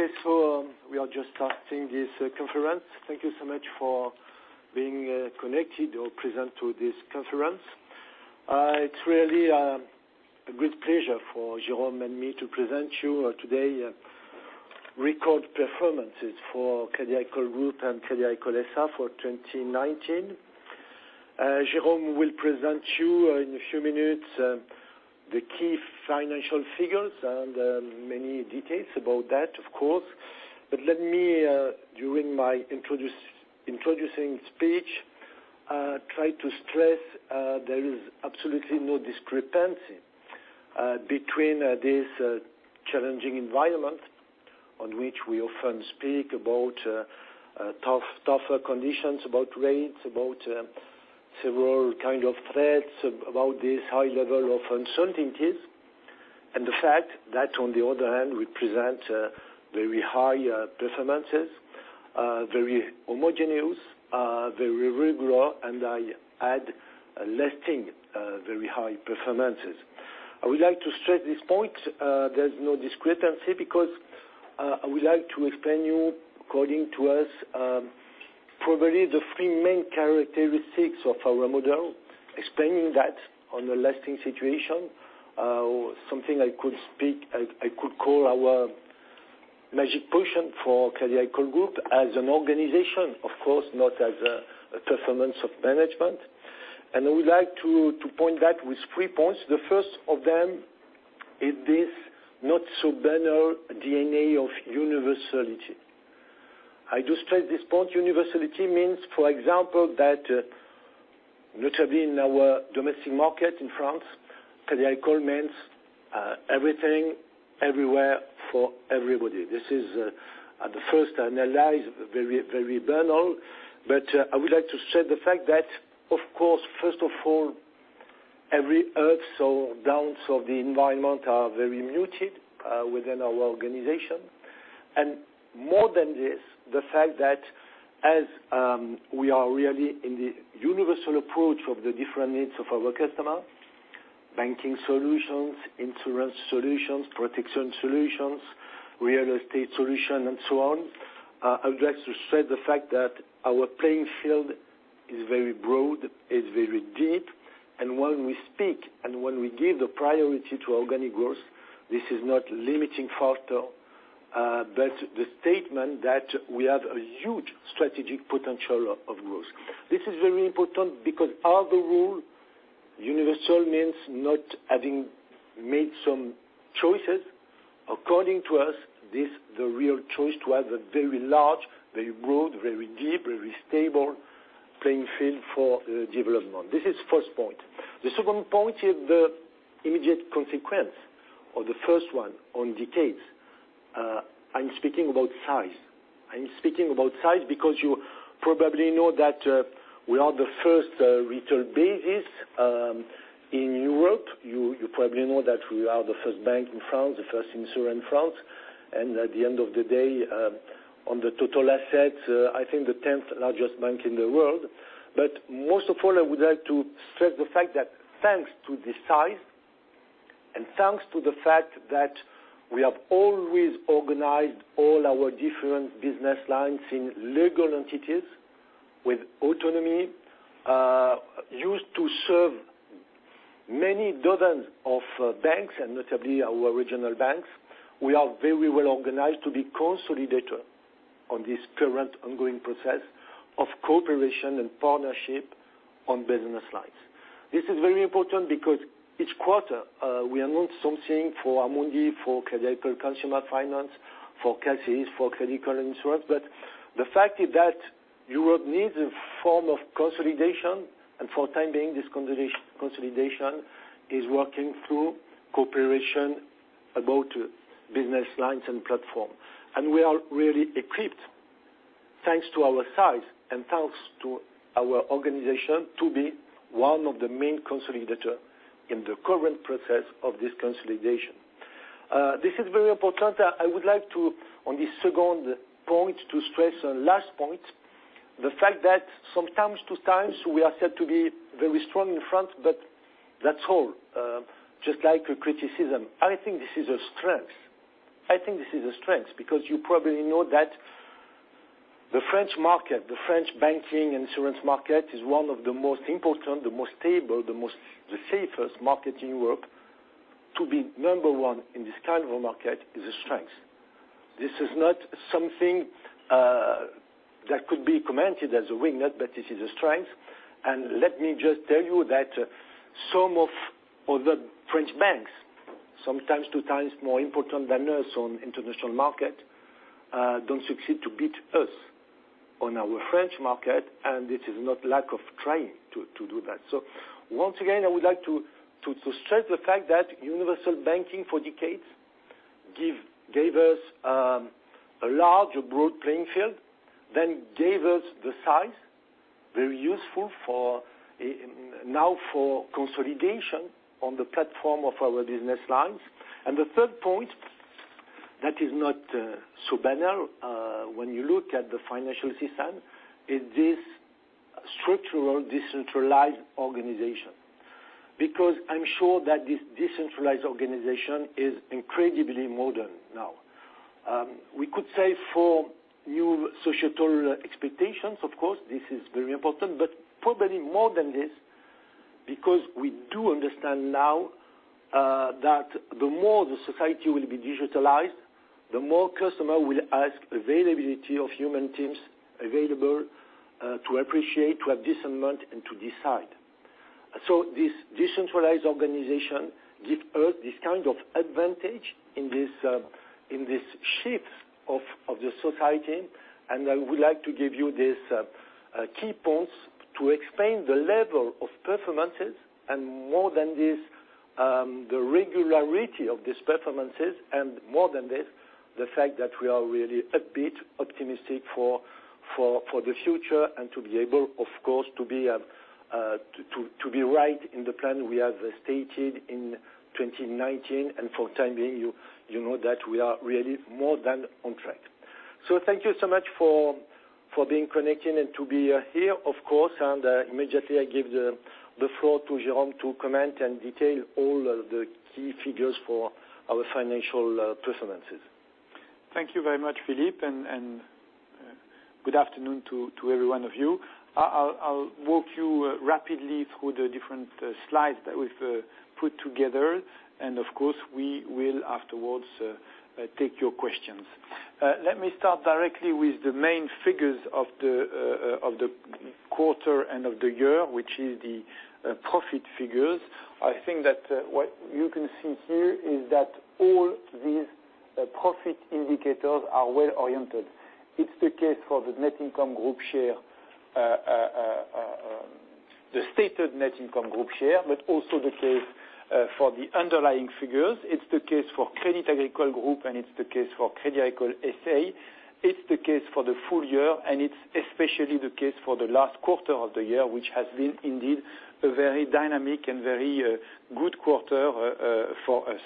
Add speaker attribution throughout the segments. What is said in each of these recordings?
Speaker 1: Okay. We are just starting this conference. Thank you so much for being connected or present to this conference. It's really a great pleasure for Jérôme and me to present you today, record performances for Crédit Agricole Group and Crédit Agricole S.A. for 2019. Jérôme will present you, in a few minutes, the key financial figures and many details about that, of course. Let me, during my introducing speech, try to stress there is absolutely no discrepancy between this challenging environment on which we often speak about tougher conditions, about rates, about several kind of threats, about this high level of uncertainties. The fact that, on the other hand, we present very high performances, very homogeneous, very regular, and I add lasting very high performances. I would like to stress this point. There's no discrepancy because I would like to explain you, according to us, probably the three main characteristics of our model, explaining that on a lasting situation, something I could call our magic potion for Crédit Agricole Group as an organization, of course, not as a performance of management. I would like to point that with three points. The first of them is this not-so-banal DNA of universality. I do stress this point. Universality means, for example, that notably in our domestic market in France, Crédit Agricole means everything, everywhere for everybody. This is the first analysis, very banal. I would like to stress the fact that, of course, first of all, every ups or downs of the environment are very muted within our organization. More than this, the fact that as we are really in the universal approach of the different needs of our customer, banking solutions, insurance solutions, protection solutions, real estate solution, and so on. I would like to stress the fact that our playing field is very broad, is very deep, and when we speak and when we give the priority to organic growth, this is not limiting factor, but the statement that we have a huge strategic potential of growth. This is very important because as a rule, universal means not having made some choices. According to us, the real choice to have a very large, very broad, very deep, very stable playing field for development, this is first point. The second point is the immediate consequence of the first one on decades. I'm speaking about size. I am speaking about size because you probably know that we are the first retail business in Europe. You probably know that we are the first bank in France, the first insurer in France, and at the end of the day, on the total asset, I think the 10th largest bank in the world. Most of all, I would like to stress the fact that thanks to the size and thanks to the fact that we have always organized all our different business lines in legal entities with autonomy, used to serve many dozens of banks, and notably our regional banks. We are very well organized to be consolidator on this current ongoing process of cooperation and partnership on business lines. This is very important because each quarter, we announce something for Amundi, for Crédit Agricole Consumer Finance, for CACEIS, for Crédit Agricole Insurance. The fact is that Europe needs a form of consolidation, and for time being, this consolidation is working through cooperation about business lines and platform. We are really equipped thanks to our size and thanks to our organization, to be one of the main consolidator in the current process of this consolidation. This is very important. I would like to, on this second point, to stress a last point, the fact that from time to time, we are said to be very strong in France, but that's all. Just like a criticism. I think this is a strength. I think this is a strength because you probably know that the French market, the French banking, insurance market, is one of the most important, the most stable, the safest market in Europe. To be number one in this kind of a market is a strength. This is not something that could be commented as a wingnut, but this is a strength. Let me just tell you that some of the French banks, sometimes two times more important than us on international market, don't succeed to beat us on our French market, and it is not lack of trying to do that. Once again, I would like to stress the fact that universal banking for decades gave us a large broad playing field, then gave us the size, very useful now for consolidation on the platform of our business lines. The third point that is not so banal, when you look at the financial system, is this structural decentralized organization, because I'm sure that this decentralized organization is incredibly modern now. We could say for new societal expectations, of course, this is very important, but probably more than this, because we do understand now that the more the society will be digitalized, the more customer will ask availability of human teams available to appreciate, to have discernment, and to decide. This decentralized organization gives us this kind of advantage in this shift of the society, and I would like to give you these key points to explain the level of performances, and more than this, the regularity of these performances, and more than this, the fact that we are really a bit optimistic for the future and to be able, of course, to be right in the plan we have stated in 2019. For the time being, you know that we are really more than on track. Thank you so much for being connected and to be here, of course. Immediately, I give the floor to Jérôme to comment and detail all of the key figures for our financial performances.
Speaker 2: Thank you very much, Philippe. Good afternoon to every one of you. I'll walk you rapidly through the different slides that we've put together, and of course, we will afterwards take your questions. Let me start directly with the main figures of the quarter and of the year, which is the profit figures. I think that what you can see here is that all these profit indicators are well-oriented. It's the case for the stated net income group share, but also the case for the underlying figures. It's the case for Crédit Agricole Group, and it's the case for Crédit Agricole S.A. It's the case for the full year, and it's especially the case for the last quarter of the year, which has been indeed a very dynamic and very good quarter for us.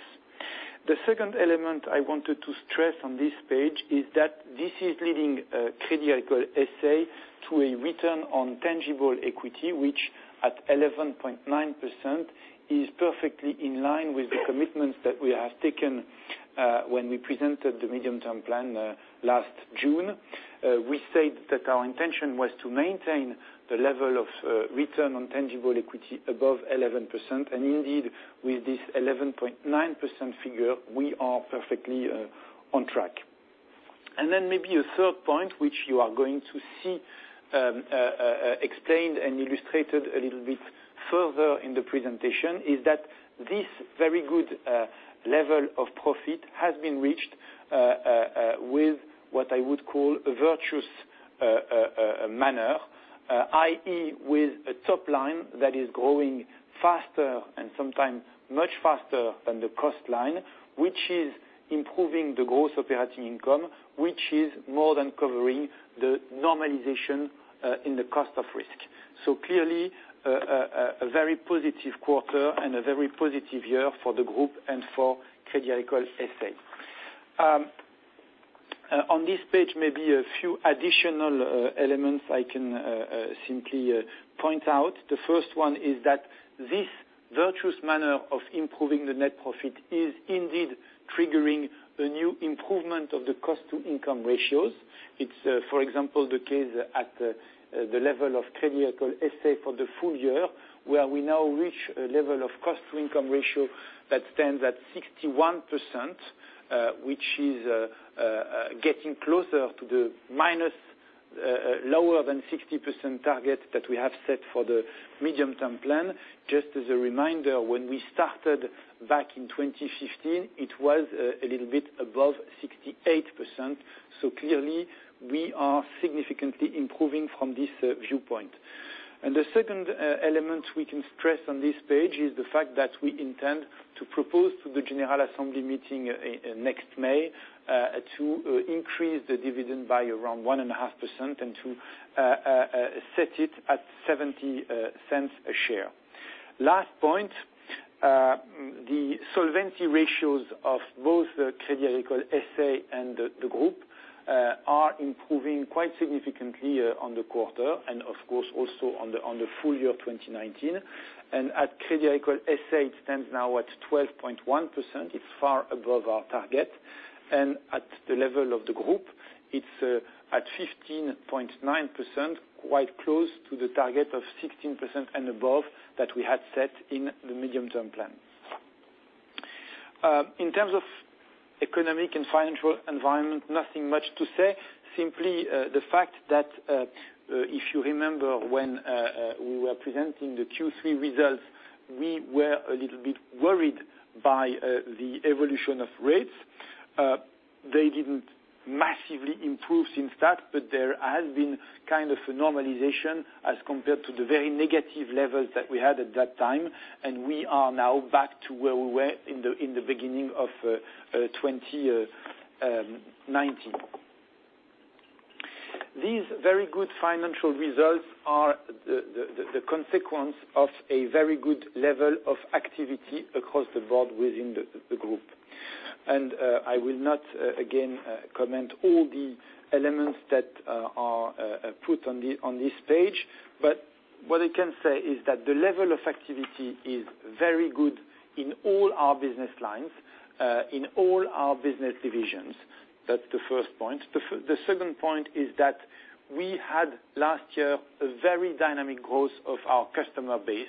Speaker 2: The second element I wanted to stress on this page is that this is leading Crédit Agricole S.A. to a return on tangible equity, which at 11.9% is perfectly in line with the commitments that we have taken when we presented the medium-term plan last June. We said that our intention was to maintain the level of return on tangible equity above 11%, and indeed, with this 11.9% figure, we are perfectly on track. Maybe a third point, which you are going to see explained and illustrated a little bit further in the presentation, is that this very good level of profit has been reached with what I would call a virtuous manner, i.e., with a top line that is growing faster, and sometimes much faster than the cost line, which is improving the Gross Operating Income, which is more than covering the normalization in the cost of risk. Clearly, a very positive quarter and a very positive year for the group and for Crédit Agricole S.A. Maybe a few additional elements I can simply point out. The first one is that this virtuous manner of improving the net profit is indeed triggering a new improvement of the cost-to-income ratios. It's, for example, the case at the level of Crédit Agricole S.A. for the full year, where we now reach a level of cost-to-income ratio that stands at 61%, which is getting closer to the minus lower than 60% target that we have set for the medium-term plan. Just as a reminder, when we started back in 2015, it was a little bit above 68%, clearly, we are significantly improving from this viewpoint. The second element we can stress on this page is the fact that we intend to propose to the general assembly meeting next May to increase the dividend by around 1.5% and to set it at 0.70 a share. Last point, the solvency ratios of both the Crédit Agricole S.A. and the group are improving quite significantly on the quarter, and of course, also on the full year 2019. At Crédit Agricole S.A., it stands now at 12.1%. It's far above our target. At the level of the group, it's at 15.9%, quite close to the target of 16% and above that we had set in the medium-term plan. In terms of economic and financial environment, nothing much to say. Simply the fact that, if you remember, when we were presenting the Q3 results, we were a little bit worried by the evolution of rates. They didn't massively improve since that, but there has been kind of a normalization as compared to the very negative levels that we had at that time, and we are now back to where we were in the beginning of 2019. These very good financial results are the consequence of a very good level of activity across the board within the group. I will not, again, comment all the elements that are put on this page. What I can say is that the level of activity is very good in all our business lines, in all our business divisions. That's the first point. The second point is that we had, last year, a very dynamic growth of our customer base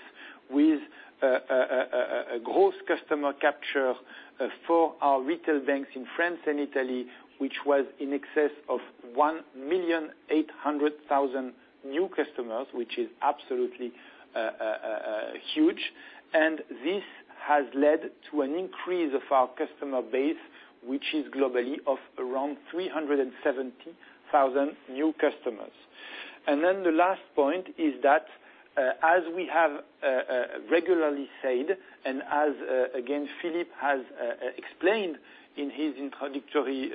Speaker 2: with a growth customer capture for our retail banks in France and Italy, which was in excess of 1,800,000 new customers, which is absolutely huge. This has led to an increase of our customer base, which is globally of around 370,000 new customers. The last point is that, as we have regularly said, and as, again, Philippe has explained in his introductory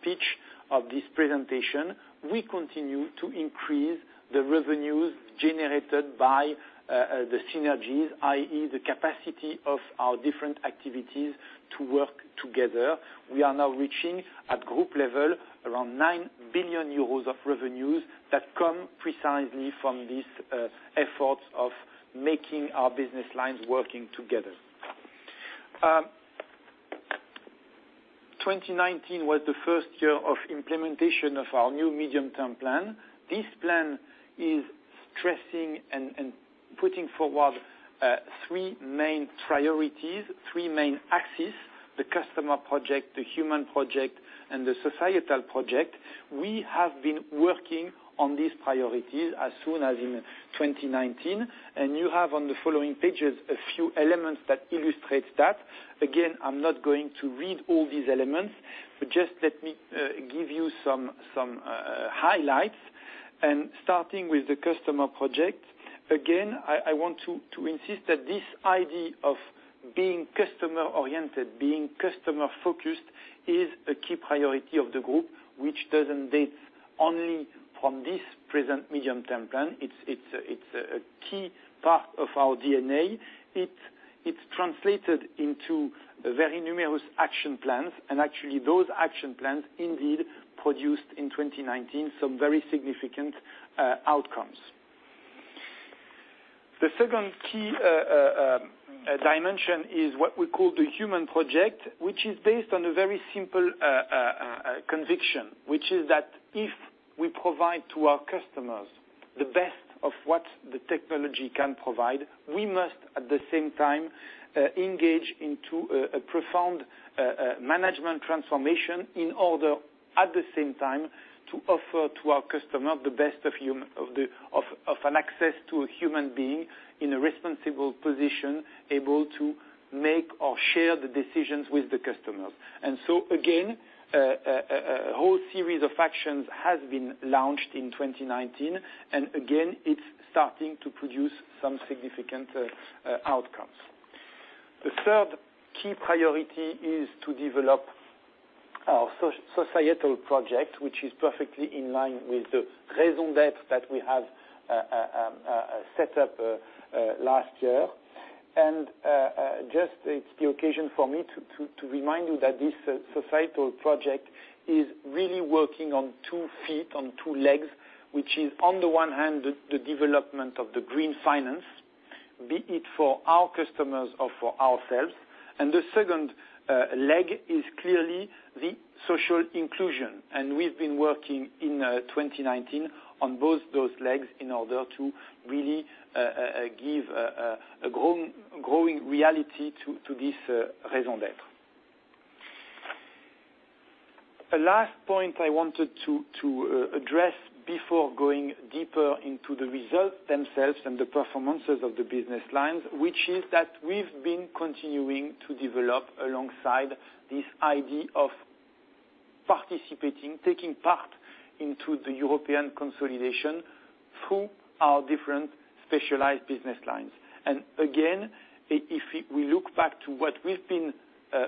Speaker 2: speech of this presentation, we continue to increase the revenues generated by the synergies, i.e., the capacity of our different activities to work together. We are now reaching at group level around 9 billion euros of revenues that come precisely from these efforts of making our business lines working together. 2019 was the first year of implementation of our new medium-term plan. This plan is stressing and putting forward three main priorities, three main axes, the customer project, the human project, and the societal project. We have been working on these priorities as soon as in 2019, and you have, on the following pages, a few elements that illustrate that. Again, I'm not going to read all these elements, but just let me give you some highlights. Starting with the customer project, again, I want to insist that this idea of being customer-oriented, being customer-focused, is a key priority of the group, which doesn't date only from this present medium-term plan. It's a key part of our DNA. It's translated into very numerous action plans. Actually, those action plans indeed produced, in 2019, some very significant outcomes. The second key dimension is what we call the human project, which is based on a very simple conviction, which is that if we provide to our customers the best of what the technology can provide, we must, at the same time, engage into a profound management transformation in order, at the same time, to offer to our customer the best of an access to a human being in a responsible position, able to make or share the decisions with the customers. Again, a whole series of actions has been launched in 2019, and again, it's starting to produce some significant outcomes. The third key priority is to develop our societal project, which is perfectly in line with the raison d'être that we have set up last year. Just, it's the occasion for me to remind you that this societal project is really working on two feet, on two legs, which is, on the one hand, the development of the green finance, be it for our customers or for ourselves. The second leg is clearly the social inclusion. We've been working in 2019 on both those legs in order to really give a growing reality to this raison d'être. A last point I wanted to address before going deeper into the results themselves and the performances of the business lines, which is that we've been continuing to develop alongside this idea of participating, taking part into the European consolidation through our different specialized business lines. Again, if we look back to what we've been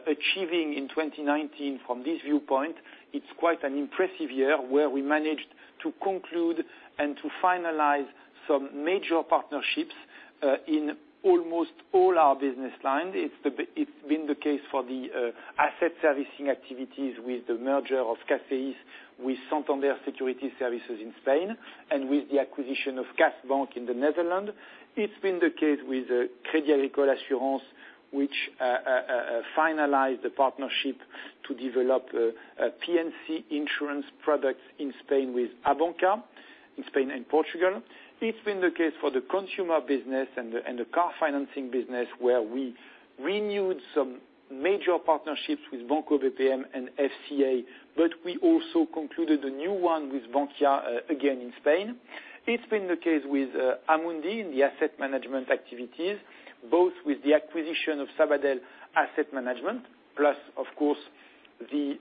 Speaker 2: achieving in 2019 from this viewpoint, it's quite an impressive year, where we managed to conclude and to finalize some major partnerships, in almost all our business line. It's been the case for the asset servicing activities with the merger of CACEIS with Santander Securities Services in Spain, and with the acquisition of KAS Bank in the Netherlands. It's been the case with Crédit Agricole Assurances, which finalized the partnership to develop P&C insurance products in Spain with Abanca, in Spain and Portugal. It's been the case for the consumer business and the car financing business, where we renewed some major partnerships with Banco BPM and FCA. We also concluded a new one with Bankia, again in Spain. It's been the case with Amundi in the asset management activities, both with the acquisition of Sabadell Asset Management, plus of course, the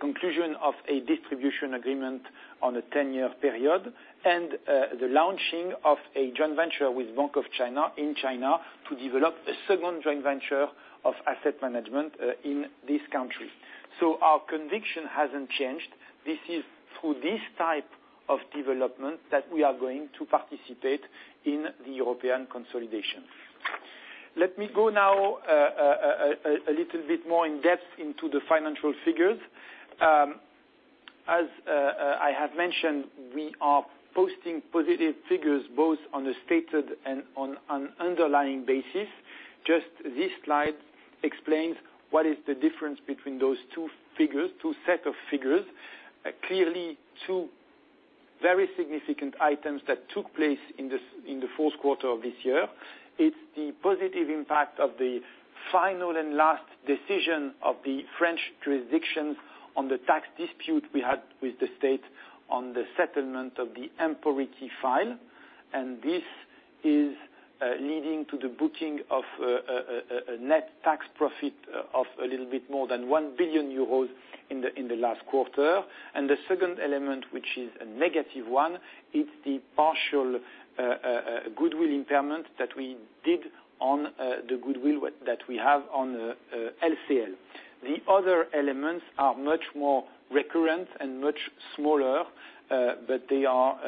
Speaker 2: conclusion of a distribution agreement on a 10-year period. The launching of a joint venture with Bank of China in China to develop a second joint venture of asset management in this country. Our conviction hasn't changed. This is through this type of development that we are going to participate in the European consolidation. Let me go now a little bit more in depth into the financial figures. As I have mentioned, we are posting positive figures, both on a stated and on an underlying basis. Just this slide explains what is the difference between those two set of figures. Clearly, two very significant items that took place in the fourth quarter of this year. It's the positive impact of the final and last decision of the French jurisdiction on the tax dispute we had with the state on the settlement of the Emporiki file. This is leading to the booking of a net tax profit of a little bit more than 1 billion euros in the last quarter. The second element, which is a negative one, it's the partial goodwill impairment that we did on the goodwill that we have on LCL. The other elements are much more recurrent and much smaller, but they are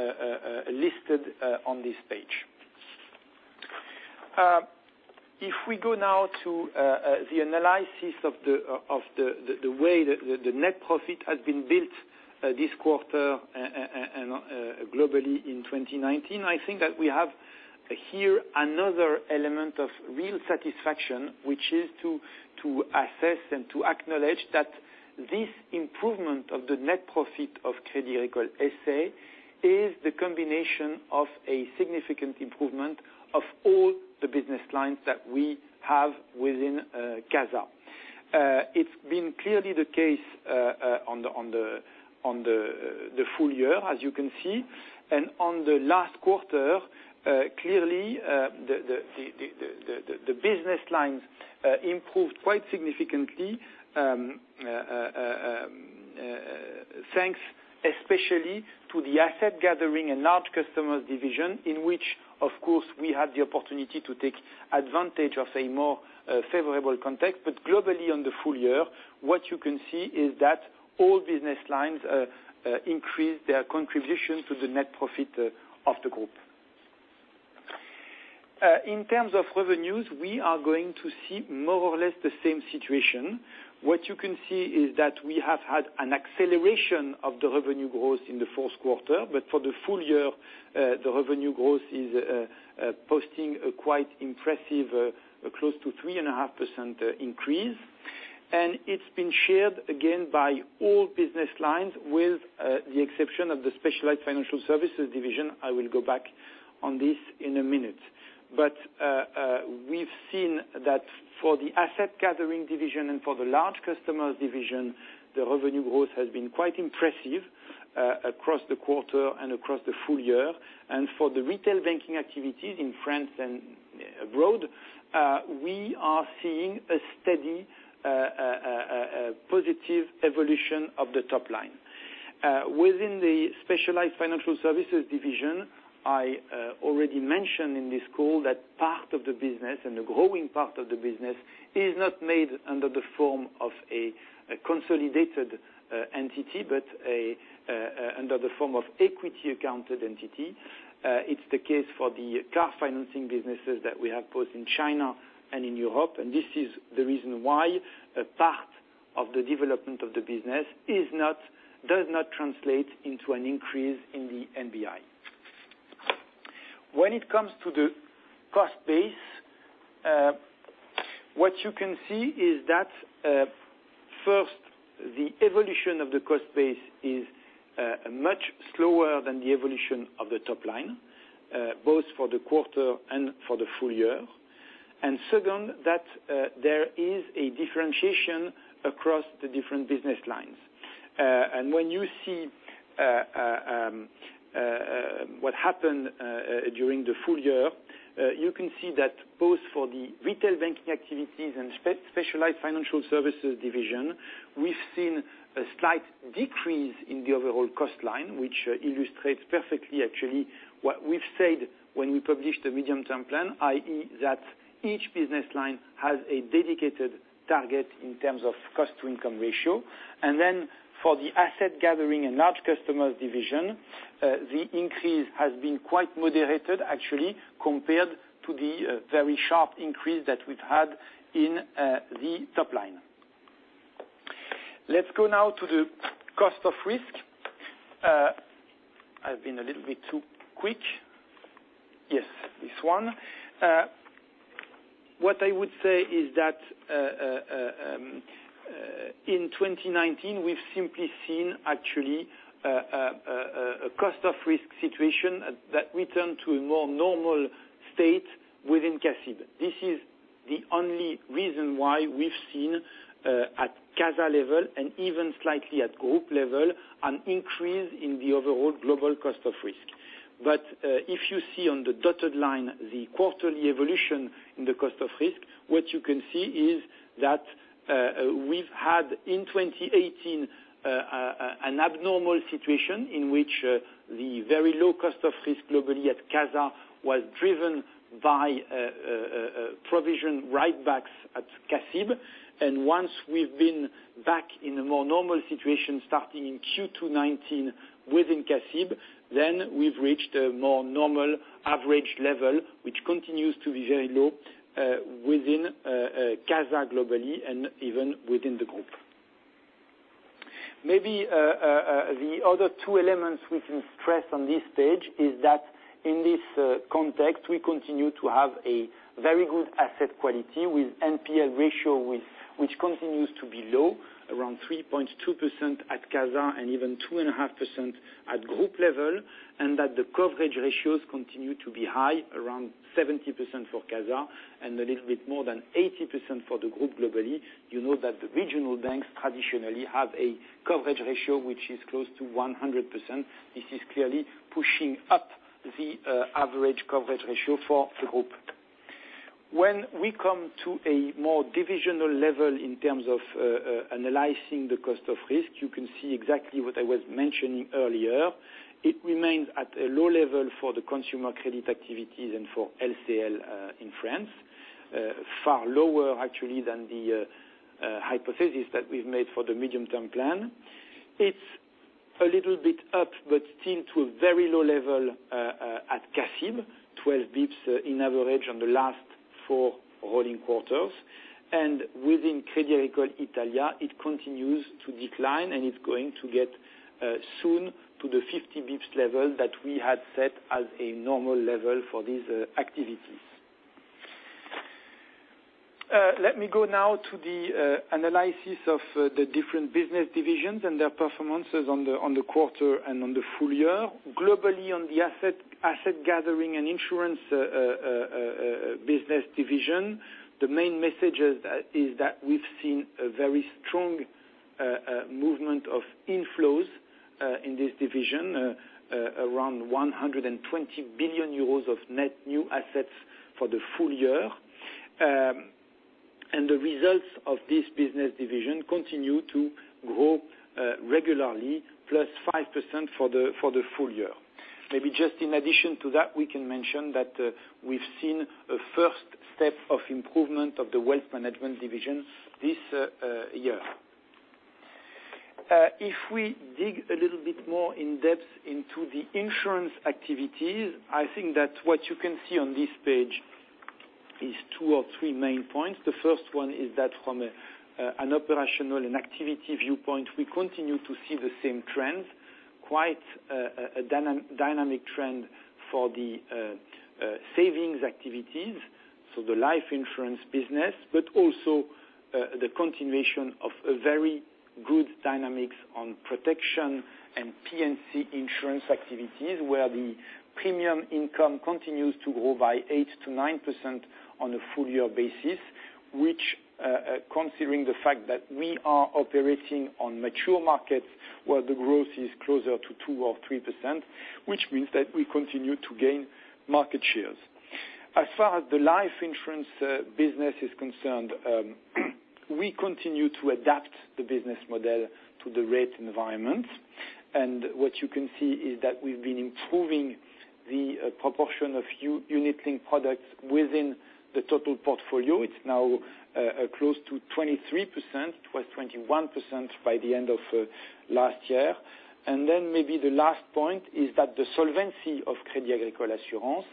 Speaker 2: listed on this page. If we go now to the analysis of the way that the net profit has been built this quarter globally in 2019, I think that we have here another element of real satisfaction, which is to assess and to acknowledge that this improvement of the net profit of Crédit Agricole S.A. is the combination of a significant improvement of all the business lines that we have within CASA. It's been clearly the case on the full year, as you can see. On the last quarter, clearly, the business lines improved quite significantly, thanks especially to the asset gathering and large customers division, in which, of course, we had the opportunity to take advantage of a more favorable context. Globally, on the full year, what you can see is that all business lines increased their contribution to the net profit of the group. In terms of revenues, we are going to see more or less the same situation. What you can see is that we have had an acceleration of the revenue growth in the fourth quarter. For the full year, the revenue growth is posting a quite impressive, close to 3.5% increase. It's been shared, again, by all business lines, with the exception of the specialized financial services division. I will go back on this in a minute. We've seen that for the asset gathering division and for the large customers division, the revenue growth has been quite impressive across the quarter and across the full year. For the retail banking activities in France and abroad, we are seeing a steady positive evolution of the top line. Within the specialized financial services division, I already mentioned in this call that part of the business, and the growing part of the business, is not made under the form of a consolidated entity, but under the form of equity accounted entity. It's the case for the car financing businesses that we have both in China and in Europe. This is the reason why a part of the development of the business does not translate into an increase in the NBI. When it comes to the cost base, what you can see is that, first, the evolution of the cost base is much slower than the evolution of the top line, both for the quarter and for the full year. Second, that there is a differentiation across the different business lines. When you see what happened during the full year, you can see that both for the retail banking activities and specialized financial services division, we've seen a slight decrease in the overall cost line, which illustrates perfectly actually what we've said when we published the medium-term plan, i.e., that each business line has a dedicated target in terms of cost-to-income ratio. For the asset gathering and large customers division, the increase has been quite moderated actually compared to the very sharp increase that we've had in the top line. Let's go now to the cost of risk. I've been a little bit too quick. Yes, this one. What I would say is that, in 2019, we've simply seen, actually, a cost of risk situation that returned to a more normal state within CACEIS. This is the only reason why we've seen, at CASA level and even slightly at group level, an increase in the overall global cost of risk. If you see on the dotted line, the quarterly evolution in the cost of risk, what you can see is that we've had, in 2018, an abnormal situation in which the very low cost of risk globally at CASA was driven by provision write-backs at CACIB. Once we've been back in a more normal situation, starting in Q2 2019 within CACIB, then we've reached a more normal average level, which continues to be very low within CASA globally and even within the group. Maybe the other two elements we can stress on this page is that in this context, we continue to have a very good asset quality with NPL ratio, which continues to be low, around 3.2% at CASA, and even 2.5% at group level, and that the coverage ratios continue to be high, around 70% for CASA, and a little bit more than 80% for the group globally. You know that the regional banks traditionally have a coverage ratio which is close to 100%. This is clearly pushing up the average coverage ratio for the group. When we come to a more divisional level in terms of analyzing the cost of risk, you can see exactly what I was mentioning earlier. It remains at a low level for the consumer credit activities and for LCL in France. Far lower, actually, than the hypothesis that we've made for the medium-term plan. It's a little bit up, but still to a very low level at CACIB, 12 bps in average on the last four rolling quarters. Within Crédit Agricole Italia, it continues to decline, and it's going to get soon to the 50 bps level that we had set as a normal level for these activities. Let me go now to the analysis of the different business divisions and their performances on the quarter and on the full year. Globally, on the Asset Gathering and Insurance Business Division, the main message is that we've seen a very strong movement of inflows in this division, around 120 billion euros of net new assets for the full year. The results of this business division continue to grow regularly, +5% for the full year. Maybe just in addition to that, we can mention that we've seen a first step of improvement of the wealth management division this year. If we dig a little bit more in depth into the insurance activities, I think that what you can see on this page is two or three main points. The first one is that from an operational and activity viewpoint, we continue to see the same trend, quite a dynamic trend for the savings activities, so the life insurance business, but also the continuation of a very good dynamics on protection and P&C insurance activities, where the premium income continues to grow by 8%-9% on a full-year basis, which considering the fact that we are operating on mature markets where the growth is closer to 2% or 3%, which means that we continue to gain market shares. What you can see is that we've been improving the proportion of unit-linked products within the total portfolio. It's now close to 23%, it was 21% by the end of last year. Maybe the last point is that the solvency of Crédit Agricole Assurances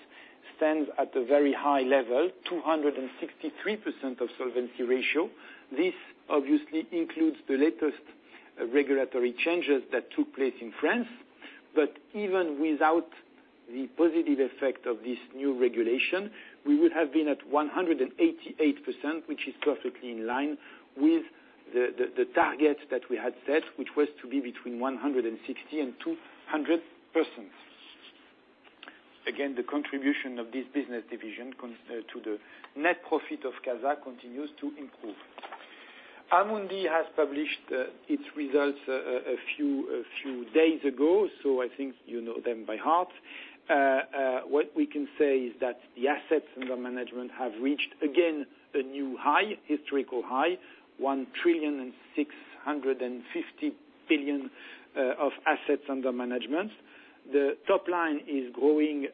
Speaker 2: stands at a very high level, 263% of solvency ratio. This obviously includes the latest regulatory changes that took place in France. Even without the positive effect of this new regulation, we would have been at 188%, which is perfectly in line with the target that we had set, which was to be between 160%-200%. Again, the contribution of this business division to the net profit of CASA continues to improve. Amundi has published its results a few days ago, so I think you know them by heart. What we can say is that the assets under management have reached, again, a new high, historical high, 1,650 billion of assets under management. The top line is growing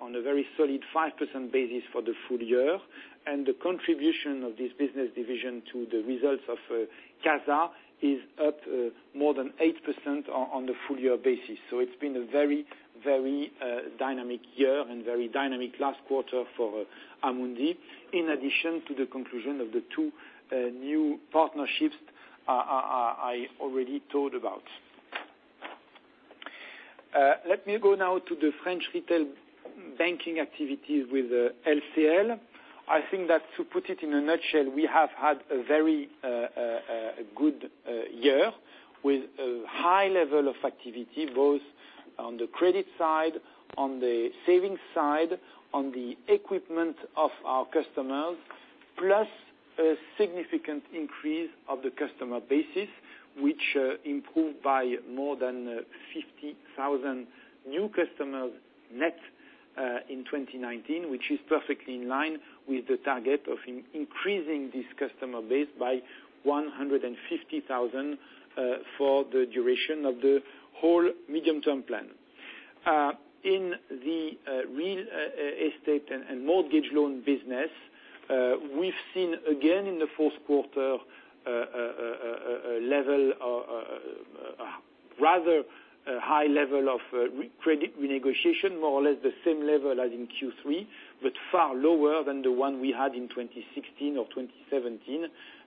Speaker 2: on a very solid 5% basis for the full year, and the contribution of this business division to the results of CASA is up more than 8% on the full-year basis. It's been a very dynamic year and very dynamic last quarter for Amundi. In addition to the conclusion of the two new partnerships I already told about. Let me go now to the French retail banking activities with LCL. I think that to put it in a nutshell, we have had a very good year with a high level of activity, both on the credit side, on the savings side, on the equipment of our customers, plus a significant increase of the customer base, which improved by more than 50,000 new customers net. In 2019, which is perfectly in line with the target of increasing this customer base by 150,000 for the duration of the whole medium-term plan. In the real estate and mortgage loan business, we've seen again in the fourth quarter, a rather high level of credit renegotiation, more or less the same level as in Q3, but far lower than the one we had in 2016 or 2017.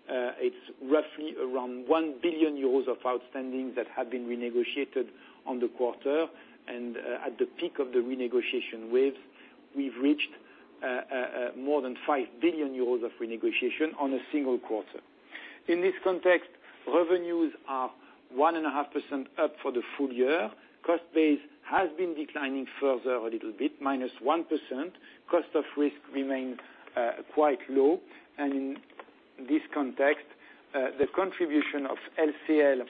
Speaker 2: It's roughly around 1 billion euros of outstandings that have been renegotiated on the quarter. At the peak of the renegotiation wave, we've reached more than 5 billion euros of renegotiation on a single quarter. In this context, revenues are 1.5% up for the full year. Cost base has been declining further a little bit, minus 1%. Cost of risk remains quite low. In this context, the contribution of LCL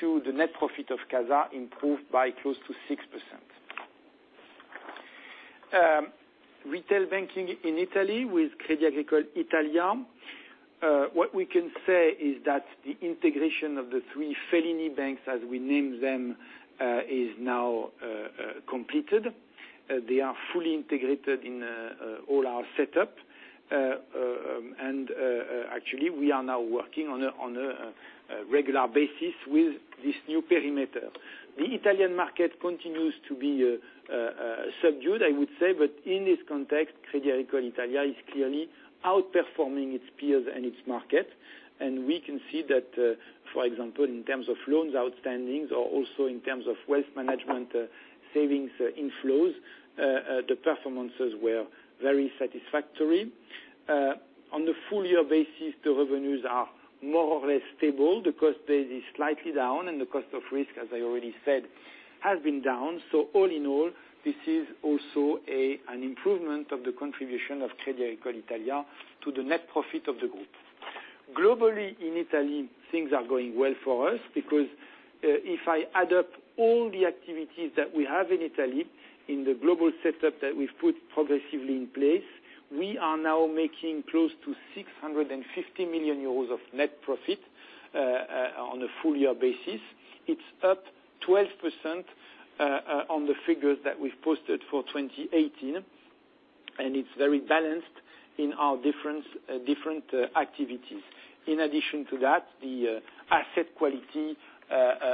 Speaker 2: to the net profit of CASA improved by close to 6%. Retail banking in Italy with Crédit Agricole Italia. What we can say is that the integration of the three Cariparma banks, as we name them, is now completed. They are fully integrated in all our setup. Actually, we are now working on a regular basis with this new perimeter. The Italian market continues to be subdued, I would say. In this context, Crédit Agricole Italia is clearly outperforming its peers and its market. We can see that, for example, in terms of loans outstandings or also in terms of wealth management savings inflows, the performances were very satisfactory. On the full year basis, the revenues are more or less stable. The cost base is slightly down, and the cost of risk, as I already said, has been down. All in all, this is also an improvement of the contribution of Crédit Agricole Italia to the net profit of the group. Globally, in Italy, things are going well for us because if I add up all the activities that we have in Italy, in the global setup that we've put progressively in place, we are now making close to 650 million euros of net profit on a full year basis. It's up 12% on the figures that we've posted for 2018, and it's very balanced in our different activities. In addition to that, the asset quality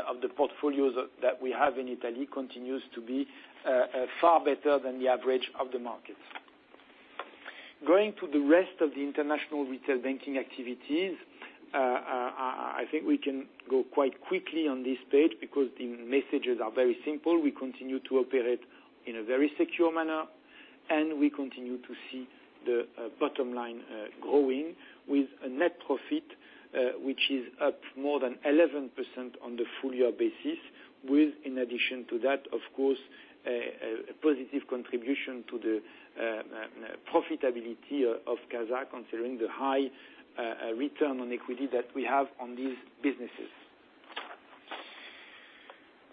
Speaker 2: of the portfolios that we have in Italy continues to be far better than the average of the markets. Going to the rest of the international retail banking activities, I think we can go quite quickly on this page because the messages are very simple. We continue to operate in a very secure manner, and we continue to see the bottom line growing with a net profit, which is up more than 11% on the full year basis with, in addition to that, of course, a positive contribution to the profitability of CASA, considering the high return on equity that we have on these businesses.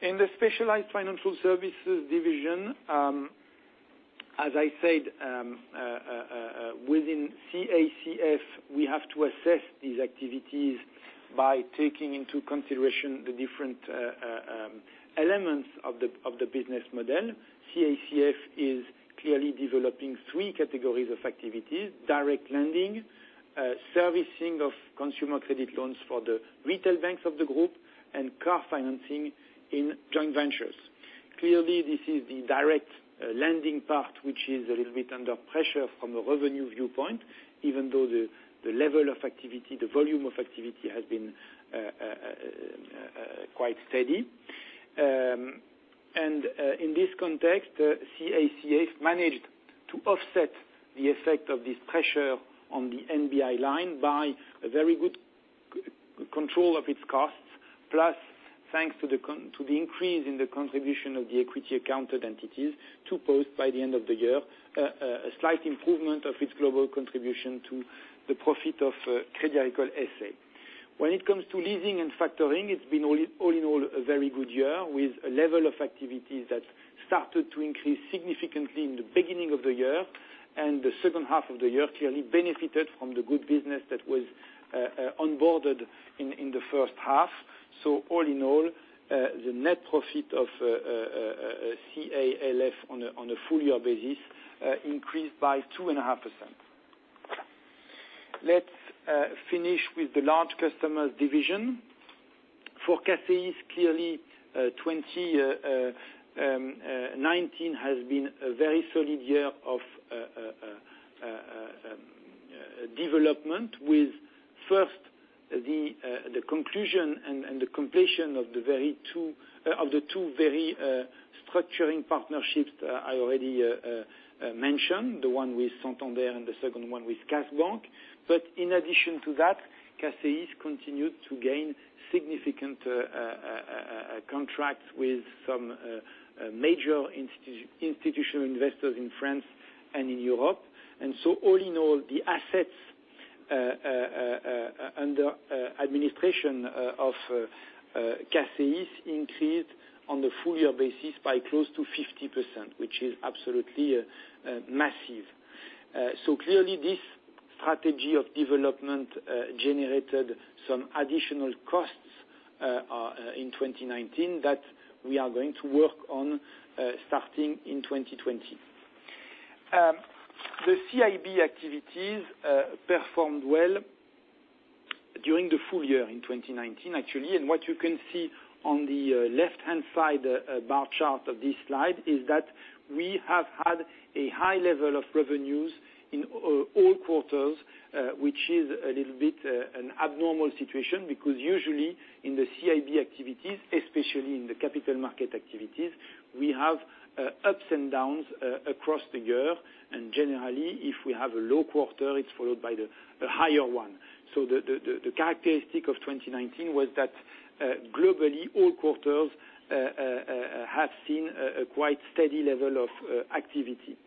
Speaker 2: In the specialized financial services division, as I said, within CACF, we have to assess these activities by taking into consideration the different elements of the business model. CACF is clearly developing 3 categories of activities, direct lending, servicing of consumer credit loans for the retail banks of the group, and car financing in joint ventures. This is the direct lending part, which is a little bit under pressure from a revenue viewpoint, even though the level of activity, the volume of activity has been quite steady. In this context, CACF managed to offset the effect of this pressure on the NBI line by a very good control of its costs. Thanks to the increase in the contribution of the equity accounted entities to post, by the end of the year, a slight improvement of its global contribution to the profit of Crédit Agricole S.A. When it comes to leasing and factoring, it's been all in all, a very good year with a level of activities that started to increase significantly in the beginning of the year, and the second half of the year clearly benefited from the good business that was onboarded in the first half. All in all, the net profit of CAL&F on a full year basis increased by 2.5%. Let's finish with the large customers division. For CACEIS, clearly, 2019 has been a very solid year of development with, first, the conclusion and the completion of the two very structuring partnerships I already mentioned, the one with Santander, and the second one with KAS Bank. In addition to that, CACEIS continued to gain significant contracts with some major institutional investors in France and in Europe. All in all, the assets under administration of CACEIS increased on the full-year basis by close to 50%, which is absolutely massive. Clearly this strategy of development generated some additional costs in 2019 that we are going to work on, starting in 2020. The CIB activities performed well during the full year in 2019, actually. What you can see on the left-hand side bar chart of this slide is that we have had a high level of revenues in all quarters, which is a little bit an abnormal situation, because usually in the CIB activities, especially in the capital market activities, we have ups and downs across the year. Generally, if we have a low quarter, it's followed by the higher one. The characteristic of 2019 was that globally, all quarters have seen a quite steady level of activity.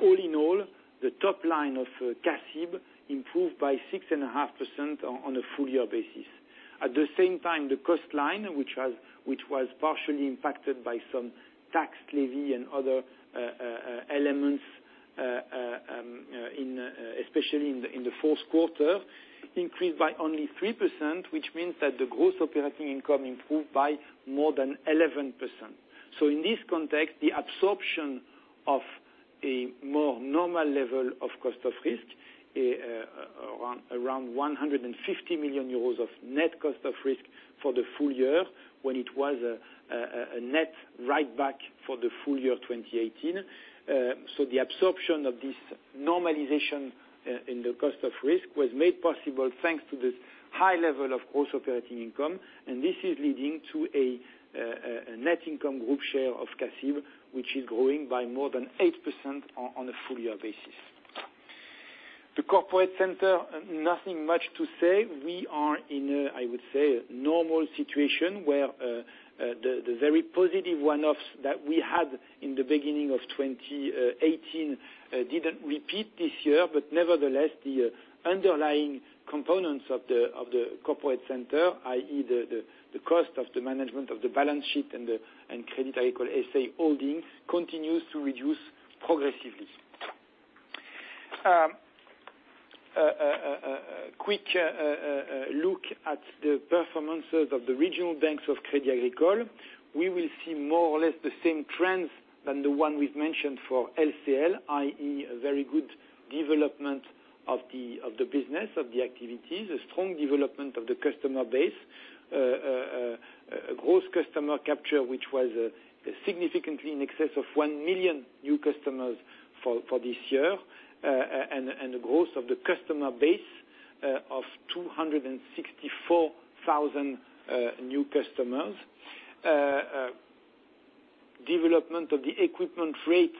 Speaker 2: All in all, the top line of CACIB improved by 6.5% on a full-year basis. At the same time, the cost line, which was partially impacted by some tax levy and other elements, especially in the fourth quarter, increased by only 3%, which means that the Gross Operating Income improved by more than 11%. In this context, the absorption of a more normal level of cost of risk, around 150 million euros of net cost of risk for the full year, when it was a net write back for the full year 2018. The absorption of this normalization in the cost of risk was made possible thanks to this high level of Gross Operating Income, and this is leading to a net income group share of CACIB, which is growing by more than 8% on a full-year basis. The corporate center, nothing much to say. We are in, I would say, a normal situation where the very positive one-offs that we had in the beginning of 2018 didn't repeat this year. Nevertheless, the underlying components of the corporate center, i.e., the cost of the management of the balance sheet and Crédit Agricole S.A. holdings continues to reduce progressively. A quick look at the performances of the regional banks of Crédit Agricole, we will see more or less the same trends than the one we've mentioned for LCL, i.e., a very good development of the business, of the activities, a strong development of the customer base. A gross customer capture, which was significantly in excess of 1 million new customers for this year. A growth of the customer base of 264,000 new customers. Development of the equipment rate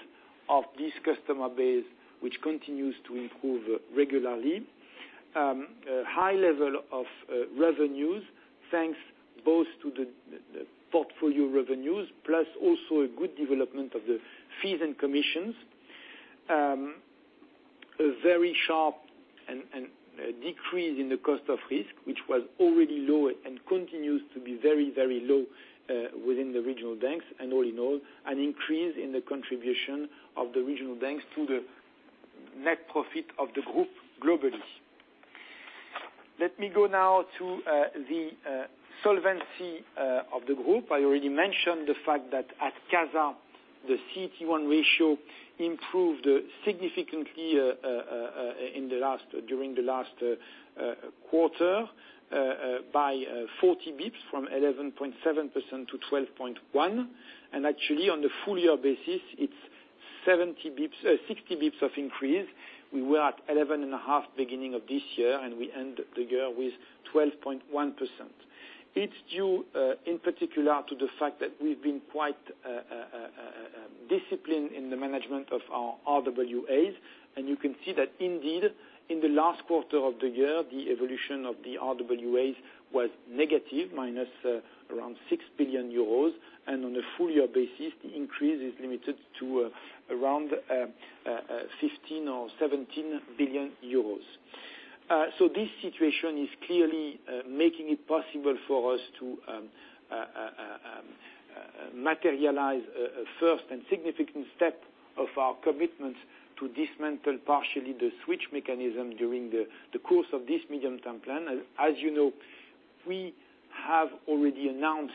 Speaker 2: of this customer base, which continues to improve regularly. A high level of revenues, thanks both to the portfolio revenues, plus also a good development of the fees and commissions. A very sharp decrease in the cost of risk, which was already low and continues to be very low, within the regional banks. All in all, an increase in the contribution of the regional banks to the net profit of the group globally. Let me go now to the solvency of the group. I already mentioned the fact that at CASA, the CET1 ratio improved significantly during the last quarter by 40 bps from 11.7% to 12.1%. Actually, on the full-year basis, it's 60 bps of increase. We were at 11.5% beginning of this year, and we end the year with 12.1%. It's due, in particular, to the fact that we've been quite disciplined in the management of our RWAs. You can see that indeed, in the last quarter of the year, the evolution of the RWAs was negative, -6 billion euros, and on a full-year basis, the increase is limited to around 15 or 17 billion euros. This situation is clearly making it possible for us to materialize a first and significant step of our commitment to dismantle partially the switch mechanism during the course of this medium-term plan. As you know, we have already announced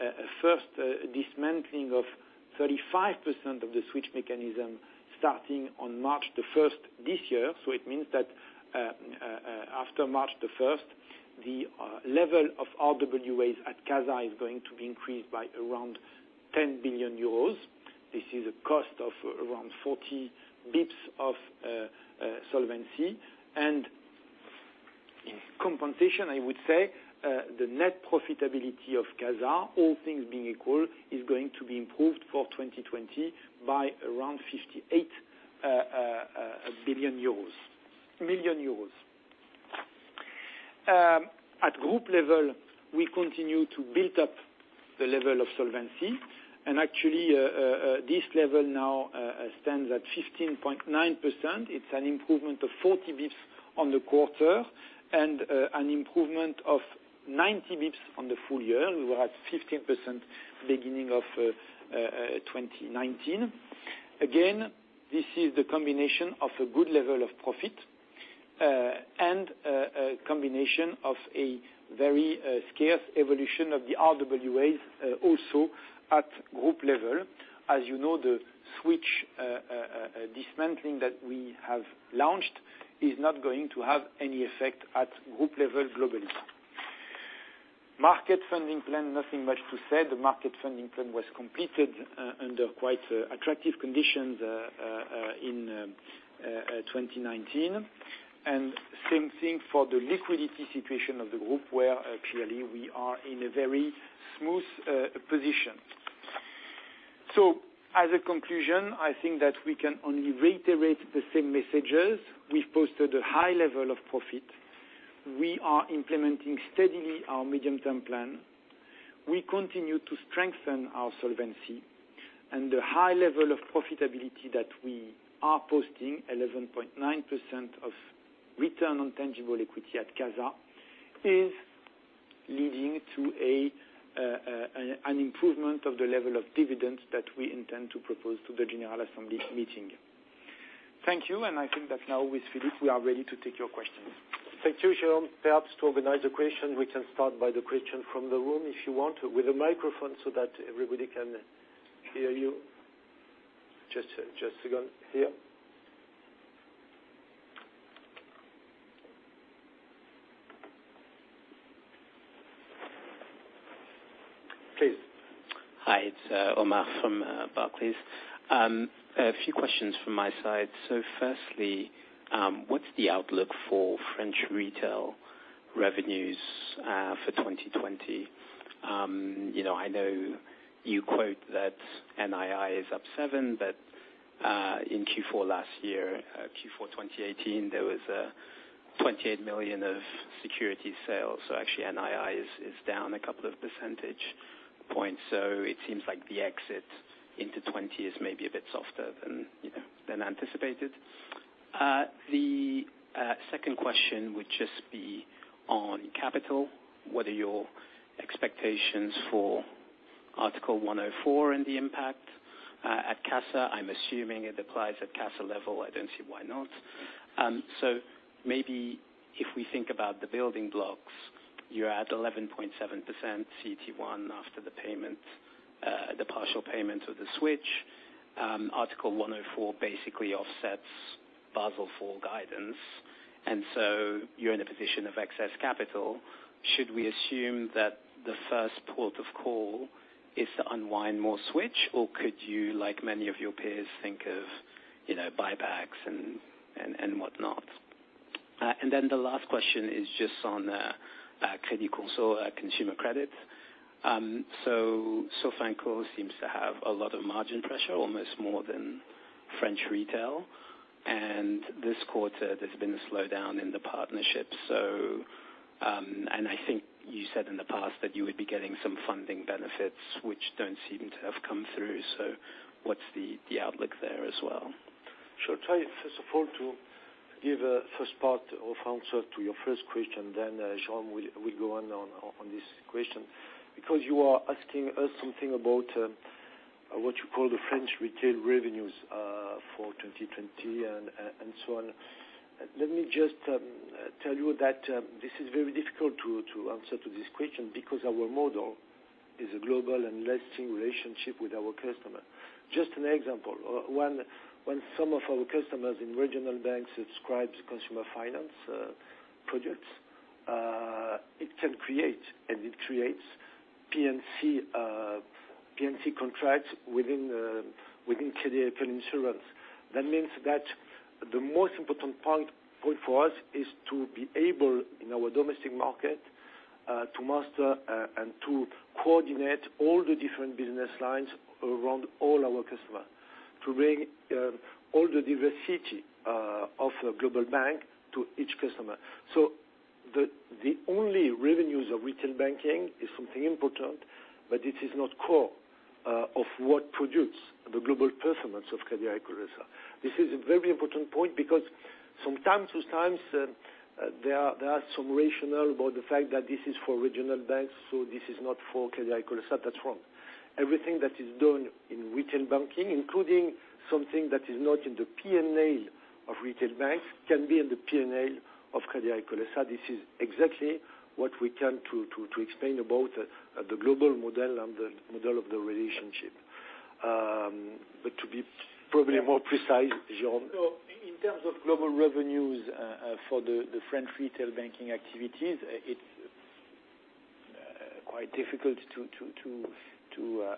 Speaker 2: a first dismantling of 35% of the switch mechanism starting on March 1st this year. It means that after March 1st, the level of RWAs at CASA is going to be increased by around 10 billion euros. This is a cost of around 40 bps of solvency. In compensation, I would say, the net profitability of CASA, all things being equal, is going to be improved for 2020 by around EUR 58 million. At group level, we continue to build up the level of solvency, and actually, this level now stands at 15.9%. It's an improvement of 40 basis points on the quarter and an improvement of 90 basis points on the full year. We were at 15% beginning of 2019. Again, this is the combination of a good level of profit, and a combination of a very scarce evolution of the RWAs also at group level. As you know, the Switch dismantling that we have launched is not going to have any effect at group level globally. Market funding plan, nothing much to say. The market funding plan was completed under quite attractive conditions in 2019. Same thing for the liquidity situation of the group, where clearly we are in a very smooth position. As a conclusion, I think that we can only reiterate the same messages. We've posted a high level of profit. We are implementing steadily our medium-term plan. We continue to strengthen our solvency, and the high level of profitability that we are posting, 11.9% of return on tangible equity at CASA, is leading to an improvement of the level of dividends that we intend to propose to the general assembly meeting. Thank you, and I think that now with Philippe, we are ready to take your questions.
Speaker 1: Thank you, Jérôme. Perhaps to organize the question, we can start by the question from the room, if you want to, with a microphone so that everybody can hear you. Just a second here. Please.
Speaker 3: Hi, it's Omar from Barclays. A few questions from my side. Firstly, what's the outlook for French retail revenues for 2020? I know you quote that NII is up seven, but in Q4 last year, Q4 2018, there was a 28 million of security sales. Actually NII is down a couple of percentage points. It seems like the exit into 2020 is maybe a bit softer than anticipated. The second question would just be on capital. What are your expectations for Article 104 and the impact at CASA? I'm assuming it applies at CASA level. I don't see why not. Maybe if we think about the building blocks, you're at 11.7% CET1 after the partial payment of the switch. Article 104 basically offsets Basel IV guidance. So you're in a position of excess capital. Should we assume that the first port of call is to unwind more switch, or could you, like many of your peers, think of buybacks and whatnot? The last question is just on Crédit Agricole Consumer Finance. Sofinco seems to have a lot of margin pressure, almost more than French retail. This quarter, there's been a slowdown in the partnership. I think you said in the past that you would be getting some funding benefits, which don't seem to have come through. What's the outlook there as well?
Speaker 1: Sure. I try, first of all, to give a first part of answer to your first question. Jérôme will go on this question. You are asking us something about what you call the French retail revenues for 2020 and so on. Let me just tell you that this is very difficult to answer to this question because our model is a global and lasting relationship with our customer. Just an example. When some of our customers in regional banks subscribes consumer finance projects, it can create, and it creates P&C contracts within Crédit Agricole insurance. That means that the most important point for us is to be able, in our domestic market, to master and to coordinate all the different business lines around all our customer to bring all the diversity of a global bank to each customer. The only revenues of retail banking is something important, but it is not core of what produce the global performance of Crédit Agricole S.A. This is a very important point because sometimes, those times, there are some rational about the fact that this is for regional banks, so this is not for Crédit Agricole S.A. That's wrong. Everything that is done in retail banking, including something that is not in the P&L of retail banks, can be in the P&L of Crédit Agricole S.A. This is exactly what we come to explain about the global model and the model of the relationship. To be probably more precise, Jérôme.
Speaker 2: In terms of global revenues for the French retail banking activities, it's quite difficult to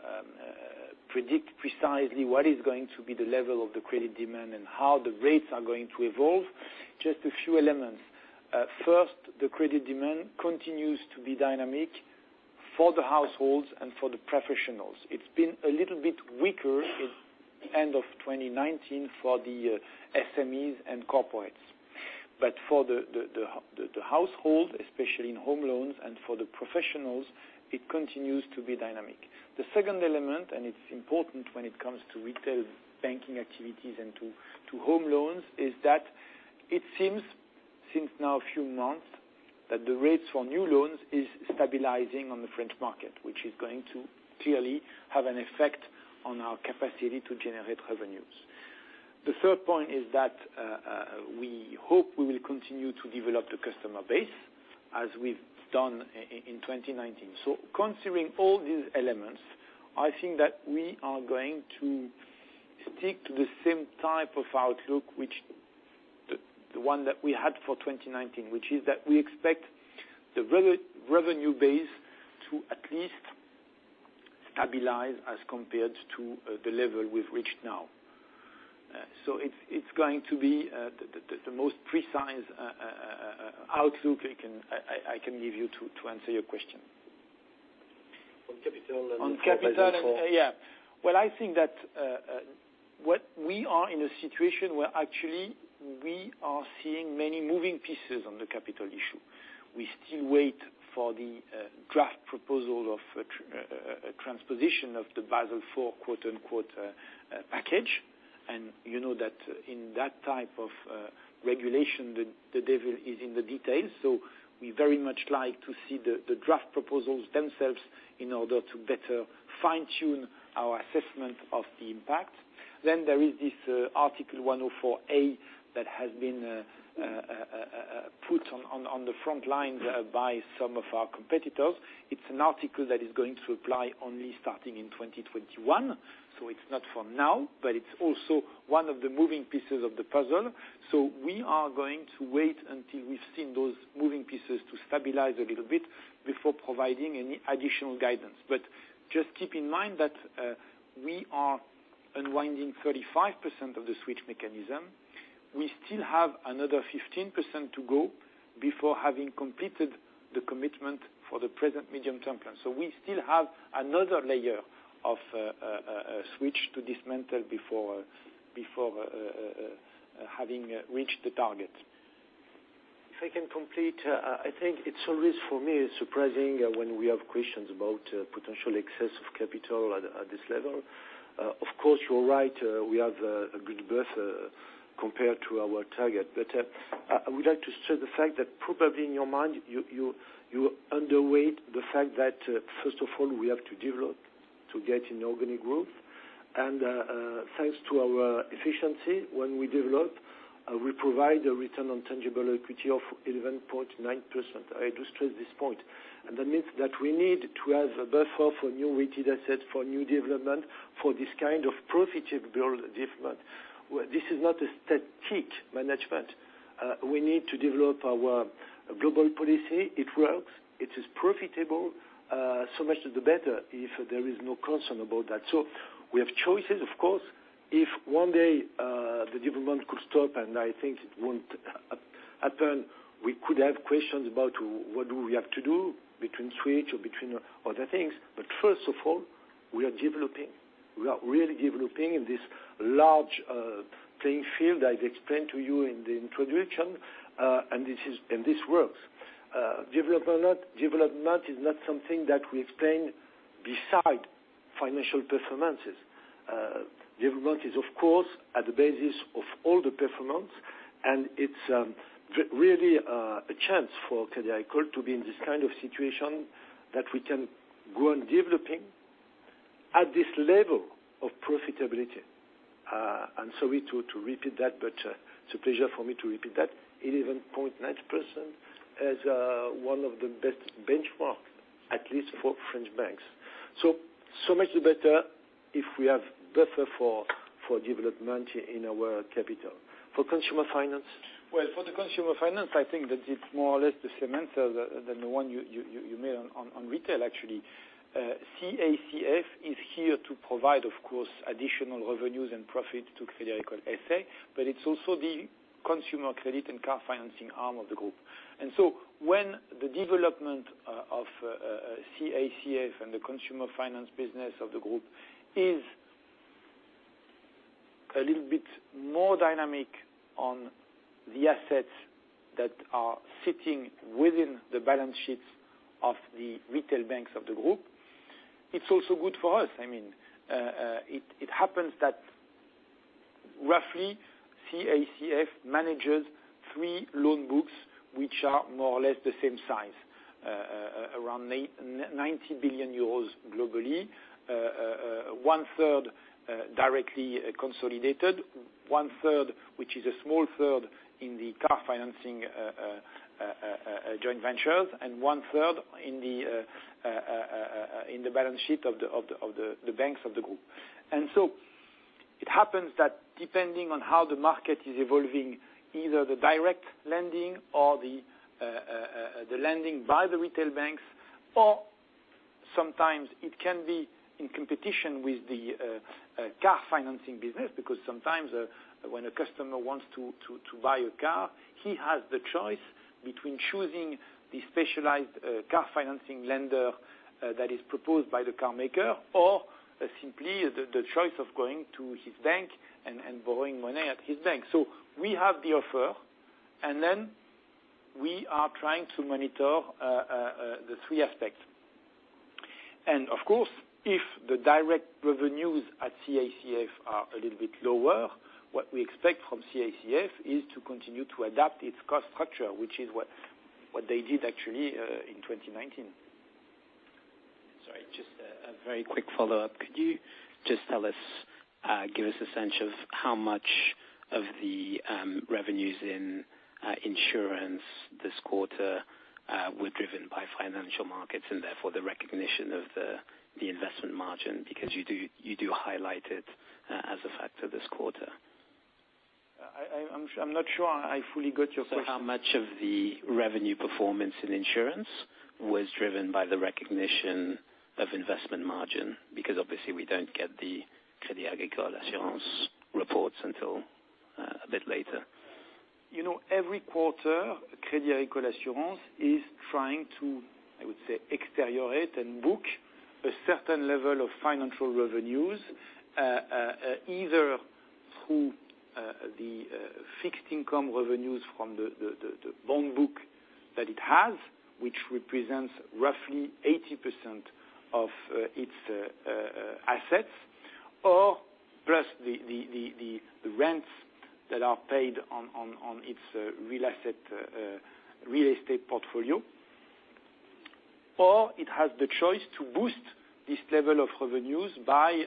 Speaker 2: predict precisely what is going to be the level of the credit demand and how the rates are going to evolve. Just a few elements. First, the credit demand continues to be dynamic for the households and for the professionals. It's been a little bit weaker in end of 2019 for the SMEs and corporates. For the household, especially in home loans, and for the professionals, it continues to be dynamic. The second element, and it's important when it comes to retail banking activities and to home loans, is that it seems, since now a few months, that the rates for new loans is stabilizing on the French market, which is going to clearly have an effect on our capacity to generate revenues. The third point is that we hope we will continue to develop the customer base as we've done in 2019. Considering all these elements, I think that we are going to stick to the same type of outlook, the one that we had for 2019, which is that we expect the revenue base to at least stabilize as compared to the level we've reached now. It's going to be the most precise outlook I can give you to answer your question.
Speaker 1: On capital.
Speaker 2: On capital, yeah. I think that we are in a situation where actually we are seeing many moving pieces on the capital issue. We still wait for the draft proposal of transposition of the Basel IV, quote unquote, "package". You know that in that type of regulation, the devil is in the details. We very much like to see the draft proposals themselves in order to better fine-tune our assessment of the impact. There is this Article 104a that has been put on the front lines by some of our competitors. It's an article that is going to apply only starting in 2021, so it's not for now, but it's also one of the moving pieces of the puzzle. We are going to wait until we've seen those moving pieces to stabilize a little bit before providing any additional guidance. Just keep in mind that we are unwinding 35% of the switch mechanism. We still have another 15% to go before having completed the commitment for the present medium term plan. We still have another layer of a switch to dismantle before having reached the target.
Speaker 1: If I can complete, I think it's always, for me, surprising when we have questions about potential excess of capital at this level. Of course, you're right, we have a good buffer compared to our target. I would like to stress the fact that probably in your mind, you underweight the fact that, first of all, we have to develop to get an organic growth. Thanks to our efficiency, when we develop, we provide a Return on Tangible Equity of 11.9%. I just stress this point. That means that we need to have a buffer for new weighted assets, for new development, for this kind of profitable development. This is not a static management. We need to develop our global policy. It works. It is profitable. So much the better if there is no concern about that. We have choices, of course. If one day the development could stop, and I think it won't happen, we could have questions about what do we have to do between switch or between other things. First of all, we are developing. We are really developing in this large playing field, as explained to you in the introduction, and this works. Development is not something that we explain beside financial performances. Development is, of course, at the basis of all the performance, and it's really a chance for Crédit Agricole to be in this kind of situation that we can go on developing at this level of profitability. I'm sorry to repeat that, but it's a pleasure for me to repeat that. 11.9% is one of the best benchmark, at least for French banks. Much the better if we have buffer for development in our capital. For consumer finance?
Speaker 2: Well, for the consumer finance, I think that it's more or less the same answer than the one you made on retail, actually. CACF is here to provide, of course, additional revenues and profit to Crédit Agricole S.A., but it's also the consumer credit and car financing arm of the group. When the development of CACF and the consumer finance business of the group is a little bit more dynamic on the assets that are sitting within the balance sheets of the retail banks of the group, it's also good for us. It happens that roughly CACF manages three loan books, which are more or less the same size, around 90 billion euros globally. One third directly consolidated, one third, which is a small third, in the car financing joint ventures, and one third in the balance sheet of the banks of the group. It happens that depending on how the market is evolving, either the direct lending or the lending by the retail banks, or sometimes it can be in competition with the car financing business, because sometimes when a customer wants to buy a car, he has the choice between choosing the specialized car financing lender that is proposed by the car maker, or simply the choice of going to his bank and borrowing money at his bank. We have the offer, and then we are trying to monitor the three aspects. Of course, if the direct revenues at CACF are a little bit lower, what we expect from CACF is to continue to adapt its cost structure, which is what they did actually in 2019.
Speaker 3: Sorry, just a very quick follow-up. Could you just give us a sense of how much of the revenues in insurance this quarter were driven by financial markets, and therefore the recognition of the investment margin? You do highlight it as a factor this quarter.
Speaker 2: I'm not sure I fully got your question.
Speaker 3: How much of the revenue performance in insurance was driven by the recognition of investment margin? Because obviously, we don't get the Crédit Agricole Assurances reports until a bit later.
Speaker 2: Every quarter, Crédit Agricole Assurances is trying to, I would say, externalize and book a certain level of financial revenues, either through the fixed income revenues from the bond book that it has, which represents roughly 80% of its assets. Plus the rents that are paid on its real estate portfolio. It has the choice to boost this level of revenues by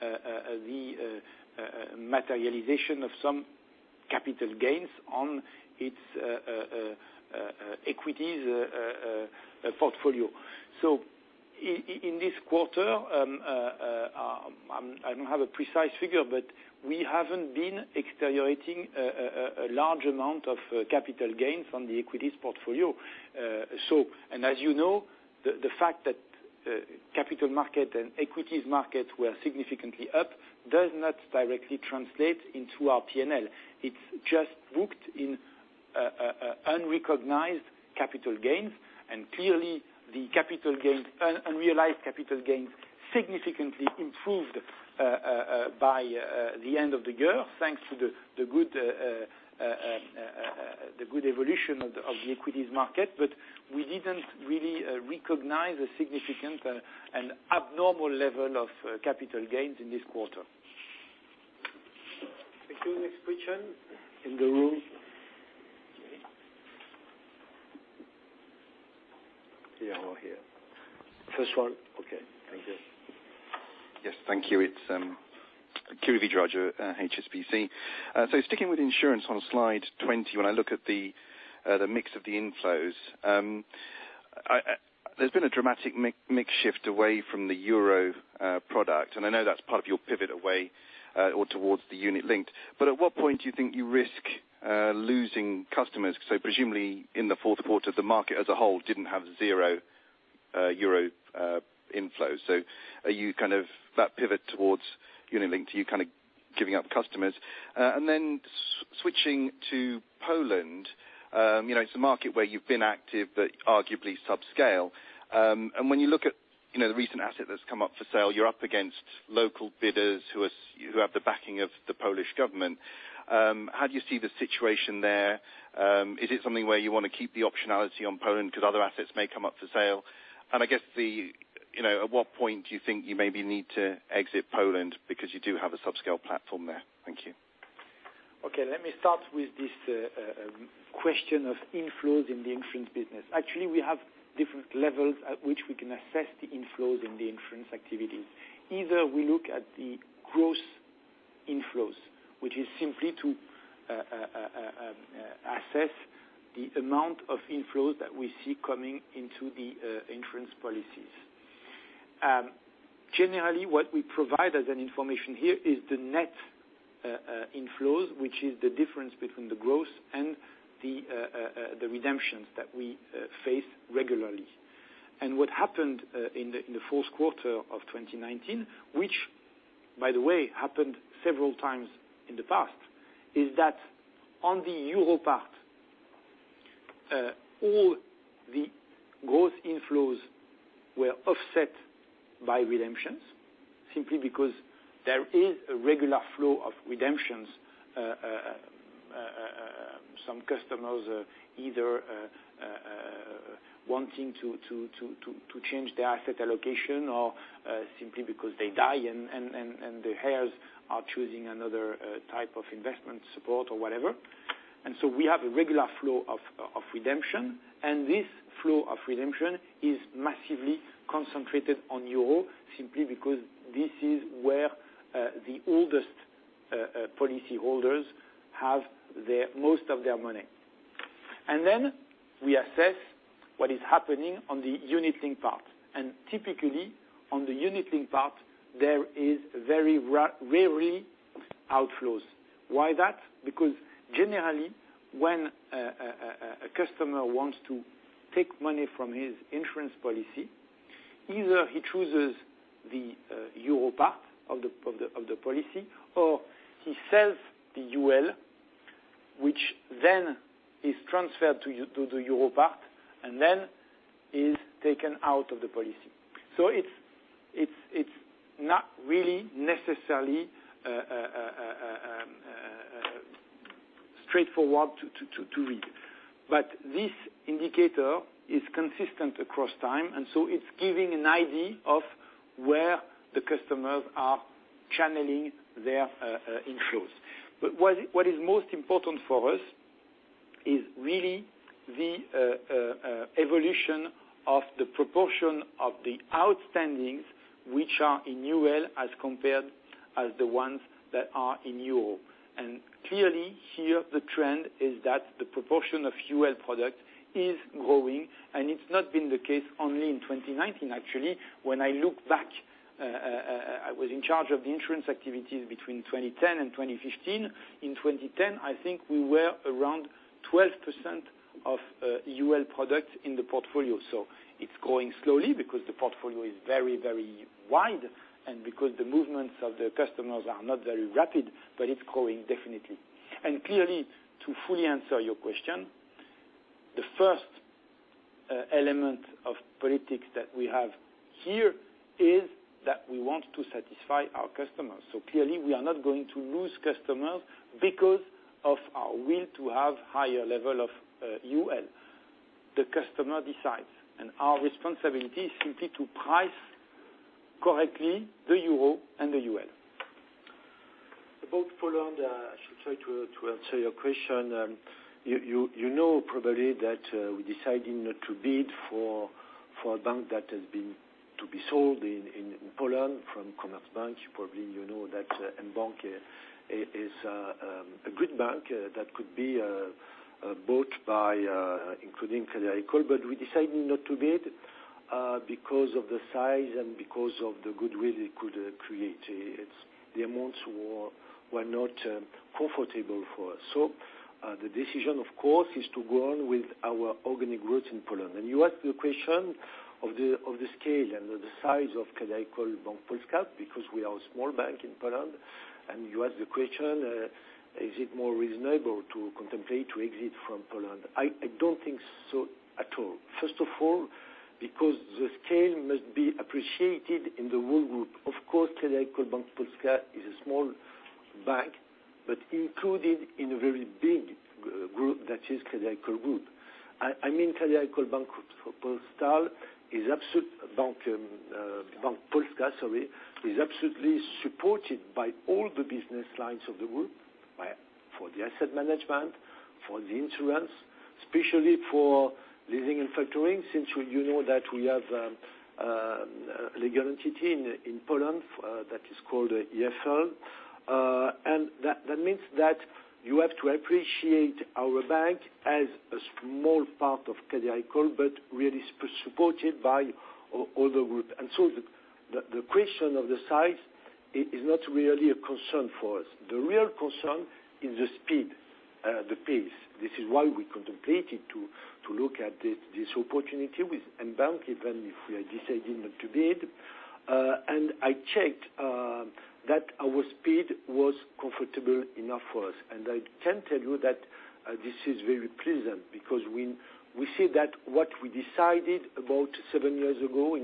Speaker 2: the materialization of some capital gains on its equities portfolio. In this quarter, I don't have a precise figure, but we haven't been externalizing a large amount of capital gains on the equities portfolio. As you know, the fact that capital market and equities market were significantly up does not directly translate into our P&L. It's just booked in unrecognized capital gains. Clearly, the unrealized capital gains significantly improved by the end of the year, thanks to the good evolution of the equities market. We didn't really recognize an abnormal level of capital gains in this quarter.
Speaker 1: Thank you. Next question in the room. Here or here. First one. Okay. Thank you.
Speaker 4: Yes. Thank you. It's Kiri Vijayarajah, HSBC. Sticking with insurance on Slide 20, when I look at the mix of the inflows, there's been a dramatic mix shift away from the Euro product, and I know that's part of your pivot away or towards the unit-linked. At what point do you think you risk losing customers? Presumably, in the fourth quarter, the market as a whole didn't have zero Euro inflows. Are you kind of that pivot towards unit-linked, giving up customers? Switching to Poland, it's a market where you've been active, but arguably subscale. When you look at the recent asset that's come up for sale, you're up against local bidders who have the backing of the Polish government. How do you see the situation there. Is it something where you want to keep the optionality on Poland because other assets may come up for sale? I guess, at what point do you think you maybe need to exit Poland because you do have a subscale platform there? Thank you.
Speaker 2: Okay. Let me start with this question of inflows in the insurance business. Actually, we have different levels at which we can assess the inflows in the insurance activities. Either we look at the gross inflows, which is simply to assess the amount of inflows that we see coming into the insurance policies. Generally, what we provide as an information here is the net inflows, which is the difference between the gross and the redemptions that we face regularly. What happened in the fourth quarter of 2019, which by the way, happened several times in the past, is that on the Euro part, all the gross inflows were offset by redemptions simply because there is a regular flow of redemptions. Some customers either wanting to change their asset allocation or simply because they die and their heirs are choosing another type of investment support or whatever. We have a regular flow of redemption, and this flow of redemption is massively concentrated on Euro simply because this is where the oldest policy holders have most of their money. We assess what is happening on the unit-linked part. Typically, on the unit-linked part, there is very rarely outflows. Why that? Generally, when a customer wants to take money from his insurance policy. Either he chooses the Euro part of the policy, or he sells the UL, which then is transferred to the Euro part, and then is taken out of the policy. It's not really necessarily straightforward to read. This indicator is consistent across time, and so it's giving an idea of where the customers are channeling their inflows. What is most important for us is really the evolution of the proportion of the outstandings which are in UL as compared as the ones that are in euro. Clearly, here, the trend is that the proportion of UL product is growing, and it's not been the case only in 2019. When I look back, I was in charge of the insurance activities between 2010 and 2015. In 2010, I think we were around 12% of UL products in the portfolio. It's growing slowly because the portfolio is very wide, and because the movements of the customers are not very rapid, but it's growing definitely. Clearly, to fully answer your question, the first element of politics that we have here is that we want to satisfy our customers. Clearly, we are not going to lose customers because of our will to have higher level of UL. The customer decides, and our responsibility is simply to price correctly the euro and the UL.
Speaker 1: About Poland, I should try to answer your question. You know probably that we decided not to bid for a bank that has been to be sold in Poland from Commerzbank. Probably you know that mBank is a good bank that could be bought by including Crédit Agricole. We decided not to bid because of the size and because of the goodwill it could create. The amounts were not comfortable for us. The decision, of course, is to go on with our organic growth in Poland. You asked the question of the scale and the size of Crédit Agricole Bank Polska, because we are a small bank in Poland. You asked the question, is it more reasonable to contemplate to exit from Poland? I don't think so at all. First of all, because the scale must be appreciated in the whole group. Of course, Crédit Agricole Bank Polska is a small bank, but included in a very big group that is Crédit Agricole Group. I mean, Crédit Agricole Bank Polska is absolutely supported by all the business lines of the group, for the asset management, for the insurance, especially for leasing and factoring, since you know that we have a legal entity in Poland that is called EFL. That means that you have to appreciate our bank as a small part of Crédit Agricole, but really supported by all the group. The question of the size is not really a concern for us. The real concern is the speed, the pace. This is why we contemplated to look at this opportunity with mBank, even if we are deciding not to bid. I checked that our speed was comfortable enough for us. I can tell you that this is very pleasant because we see that what we decided about seven years ago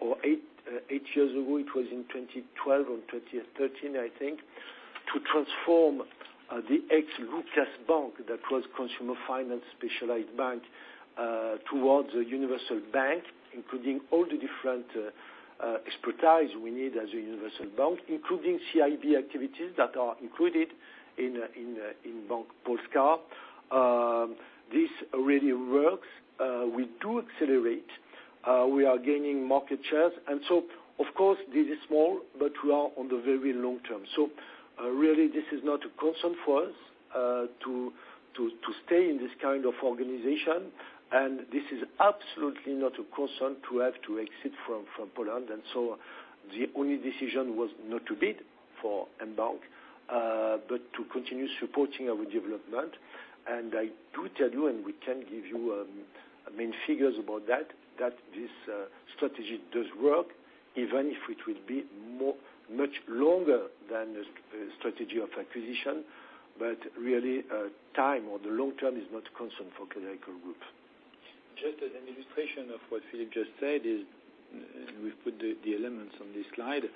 Speaker 1: or eight years ago, it was in 2012 or 2013, I think, to transform the ex Lukas Bank that was consumer finance specialized bank towards a universal bank, including all the different expertise we need as a universal bank, including CIB activities that are included in Bank Polska. This really works. We do accelerate. We are gaining market shares. Of course, this is small, but we are on the very long term. Really, this is not a concern for us to stay in this kind of organization. This is absolutely not a concern to have to exit from Poland. The only decision was not to bid for mBank, but to continue supporting our development. I do tell you, and we can give you main figures about that this strategy does work, even if it will be much longer than the strategy of acquisition. Really, time or the long term is not a concern for Crédit Agricole Group.
Speaker 2: Just as an illustration of what Philippe just said is, we put the elements on this slide.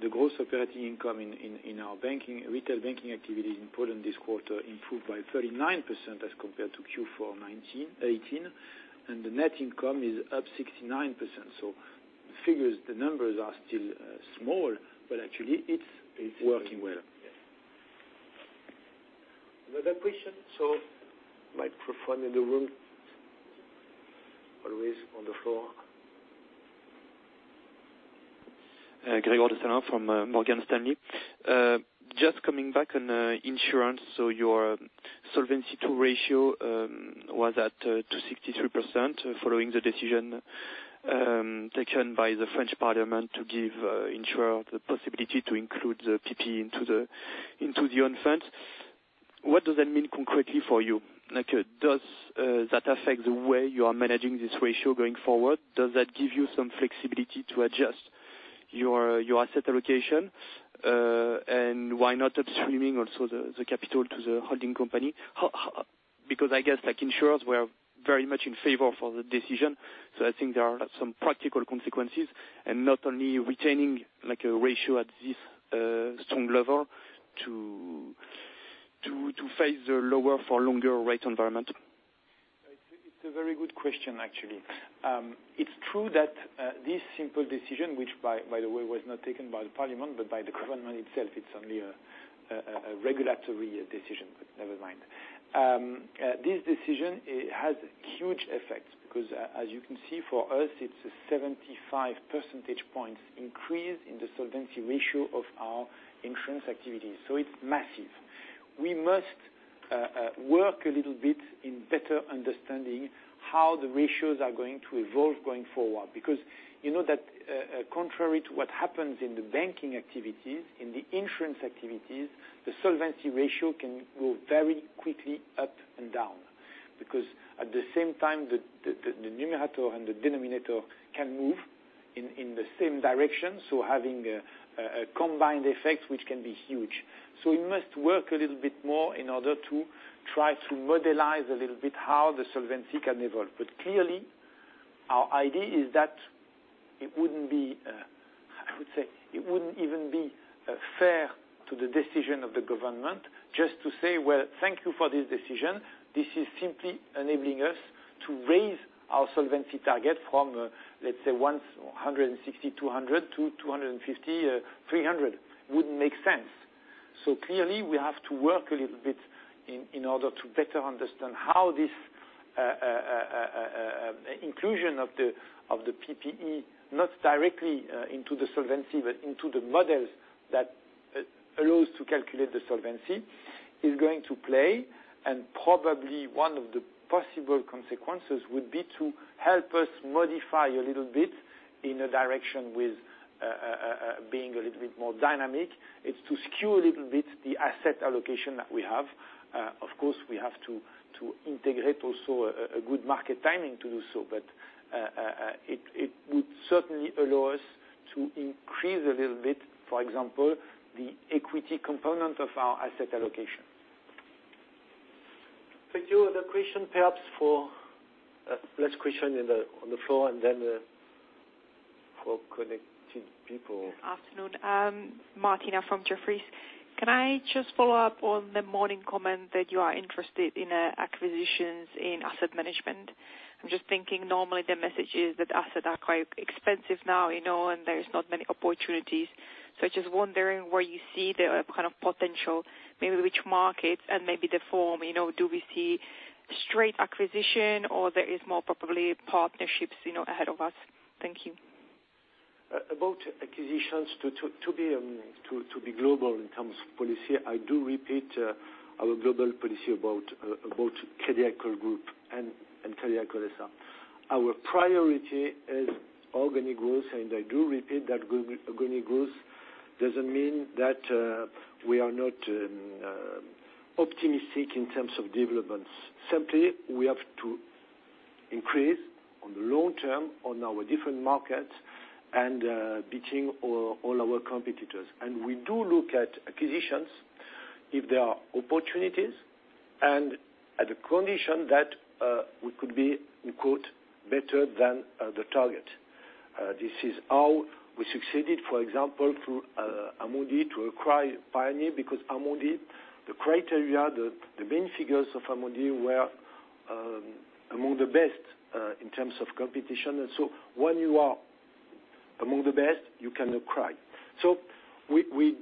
Speaker 2: The Gross Operating Income in our retail banking activities in Poland this quarter improved by 39% as compared to Q4 '18, and the net income is up 69%. The figures, the numbers are still small, but actually it's working well.
Speaker 1: Yes. Another question? Microphone in the room. Always on the floor.
Speaker 5: Grégoire De Salins from Morgan Stanley. Just coming back on insurance, your Solvency II ratio was at 263% following the decision taken by the French parliament to give insurer the possibility to include the PP into the own funds. What does that mean concretely for you? Does that affect the way you are managing this ratio going forward? Does that give you some flexibility to adjust your asset allocation? Why not upstreaming also the capital to the holding company? I guess, like insurers, we are very much in favor for the decision. I think there are some practical consequences and not only retaining a ratio at this strong level to face the lower for longer rate environment.
Speaker 2: It's a very good question, actually. It's true that this simple decision, which by the way, was not taken by the parliament but by the government itself, it's only a regulatory decision, never mind. This decision has huge effects because, as you can see, for us, it's a 75 percentage points increase in the solvency ratio of our insurance activities. It's massive. We must work a little bit in better understanding how the ratios are going to evolve going forward. You know that contrary to what happens in the banking activities, in the insurance activities, the solvency ratio can move very quickly up and down. At the same time, the numerator and the denominator can move in the same direction, having a combined effect, which can be huge. We must work a little bit more in order to try to modelize a little bit how the solvency can evolve. Clearly, our idea is that it wouldn't even be fair to the decision of the government just to say, "Well, thank you for this decision." This is simply enabling us to raise our solvency target from, let's say, 160-200 to 250-300. Wouldn't make sense. Clearly, we have to work a little bit in order to better understand how this inclusion of the PPB, not directly into the solvency, but into the models that allows to calculate the solvency, is going to play. Probably one of the possible consequences would be to help us modify a little bit in a direction with being a little bit more dynamic. It's to skew a little bit the asset allocation that we have. Of course, we have to integrate also a good market timing to do so, but it would certainly allow us to increase a little bit, for example, the equity component of r asset allocation. Thank you. Other question, perhaps for last question on the floor and then for connected people.
Speaker 6: Afternoon, Martina from Jefferies. Can I just follow up on the morning comment that you are interested in acquisitions in asset management? I'm just thinking normally the message is that assets are quite expensive now, and there is not many opportunities. I'm just wondering where you see the kind of potential, maybe which markets and maybe the form? Do we see straight acquisition, or there is more probably partnerships ahead of us? Thank you.
Speaker 1: About acquisitions, to be global in terms of policy, I do repeat our global policy about Crédit Agricole Group and Crédit Agricole S.A. Our priority is organic growth, and I do repeat that organic growth doesn't mean that we are not optimistic in terms of developments. Simply, we have to increase on the long term on our different markets and beating all our competitors. We do look at acquisitions if there are opportunities and at the condition that we could be "better than the target." This is how we succeeded, for example, through Amundi to acquire Pioneer, because Amundi, the criteria, the main figures of Amundi were among the best in terms of competition. When you are among the best, you can acquire. We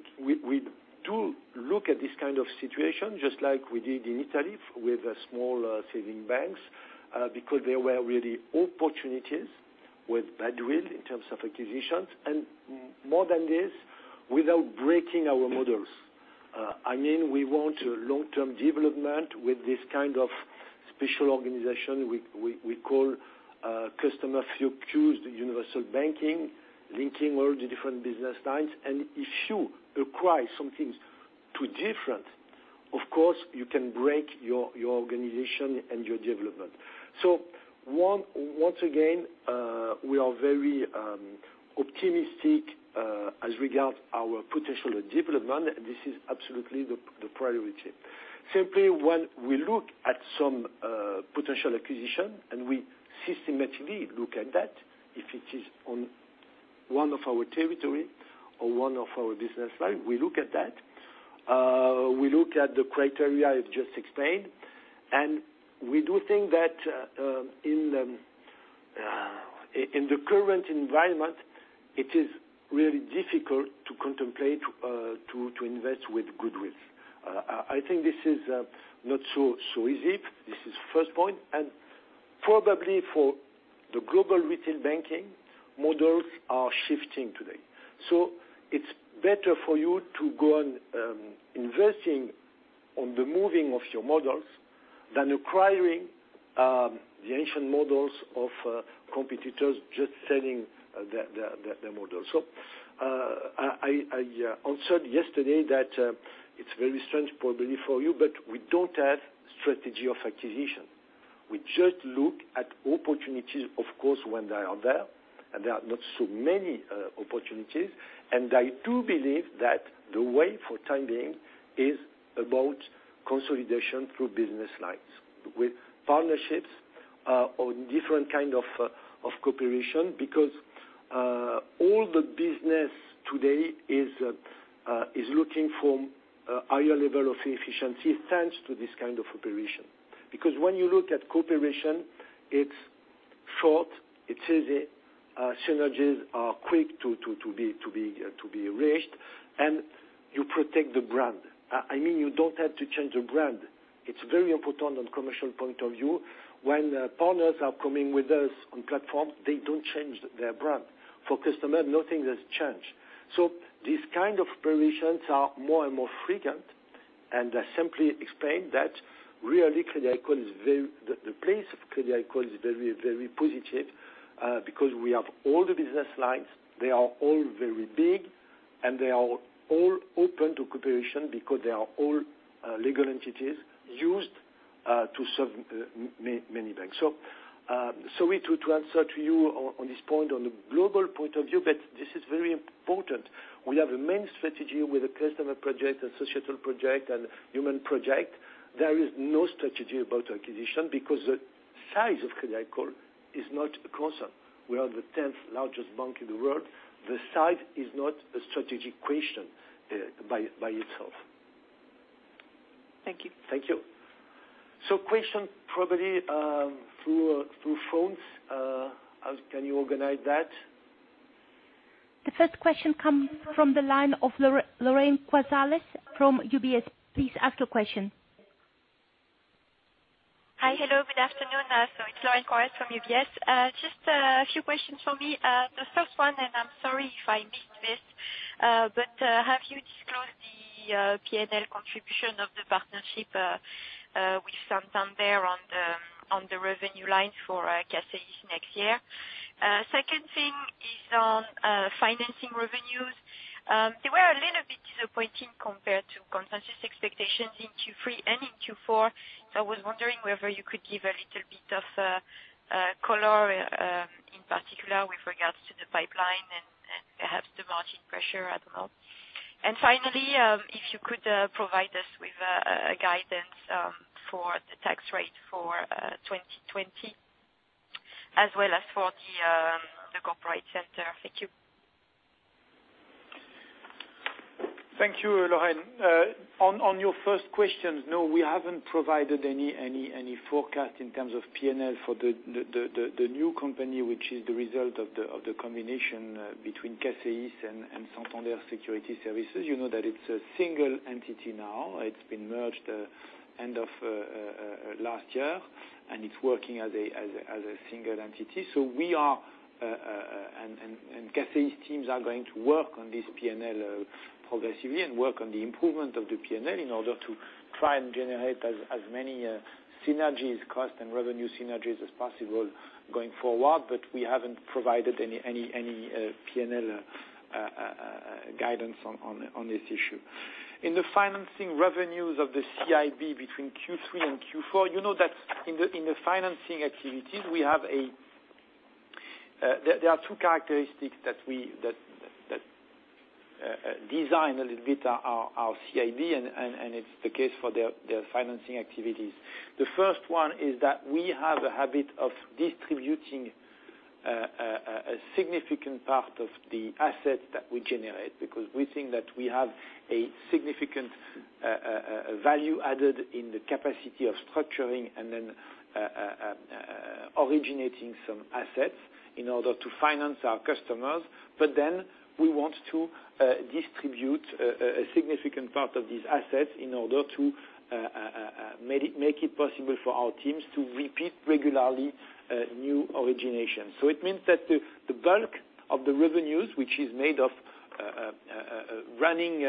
Speaker 1: do look at this kind of situation, just like we did in Italy with small saving banks, because there were really opportunities with goodwill in terms of acquisitions. More than this, without breaking our models. We want long-term development with this kind of special organization we call customer-focused universal banking, linking all the different business lines. If you acquire some things too different, of course, you can break your organization and your development. Once again, we are very optimistic as regards our potential development. This is absolutely the priority. Simply when we look at some potential acquisition, and we systematically look at that, if it is on one of our territory or one of our business line, we look at that. We look at the criteria I've just explained. We do think that in the current environment, it is really difficult to contemplate to invest with goodwill. I think this is not so easy. This is first point. Probably for the global retail banking, models are shifting today. It's better for you to go on investing on the moving of your models. Acquiring the ancient models of competitors, just selling the models. I answered yesterday that it's very strange probably for you, but we don't have strategy of acquisition. We just look at opportunities, of course, when they are there, and there are not so many opportunities. I do believe that the way for time being is about consolidation through business lines with partnerships, on different kind of cooperation, because all the business today is looking for higher level of efficiency thanks to this kind of cooperation. When you look at cooperation, it's short, it's easy, synergies are quick to be reached, and you protect the brand. You don't have to change the brand. It's very important on commercial point of view. When partners are coming with us on platform, they don't change their brand. For customer, nothing has changed. This kind of operations are more and more frequent, and I simply explain that really the place of Crédit Agricole is very positive, because we have all the business lines. They are all very big and they are all open to cooperation because they are all legal entities used to serve many banks. Sorry to answer to you on this point on the global point of view, but this is very important. We have a main strategy with a customer project and societal project and human project. There is no strategy about acquisition because the size of Crédit Agricole is not a concern. We are the 10th largest bank in the world. The size is not a strategic question by itself.
Speaker 6: Thank you.
Speaker 1: Thank you. Question probably through phones. Can you organize that?
Speaker 7: The first question comes from the line of Lorraine Quoirez from UBS. Please ask your question.
Speaker 8: Hi. Hello, good afternoon. It's Lorraine Quoirez from UBS. Just a few questions for me. The first one, and I'm sorry if I missed this, but have you disclosed the P&L contribution of the partnership with Santander on the revenue line for CACEIS next year? Second thing is on financing revenues. They were a little bit disappointing compared to consensus expectations in Q3 and in Q4. I was wondering whether you could give a little bit of color, in particular with regards to the pipeline and perhaps the margin pressure, I don't know. Finally, if you could provide us with a guidance for the tax rate for 2020 as well as for the corporate sector. Thank you.
Speaker 1: Thank you, Lorraine. On your first questions, no, we haven't provided any forecast in terms of P&L for the new company, which is the result of the combination between CACEIS and Santander Securities Services. You know that it's a single entity now. It's been merged end of last year, and it's working as a single entity. CACEIS teams are going to work on this P&L progressively and work on the improvement of the P&L in order to try and generate as many synergies, cost and revenue synergies as possible going forward. We haven't provided any P&L guidance on this issue. In the financing revenues of the CIB between Q3 and Q4, you know that in the financing activities there are two characteristics that design a little bit our CIB, and it's the case for their financing activities. The first one is that we have a habit of distributing a significant part of the asset that we generate because we think that we have a significant value added in the capacity of structuring and then originating some assets in order to finance our customers. We want to distribute a significant part of these assets in order to make it possible for our teams to repeat regularly new origination. It means that the bulk of the revenues, which is made of running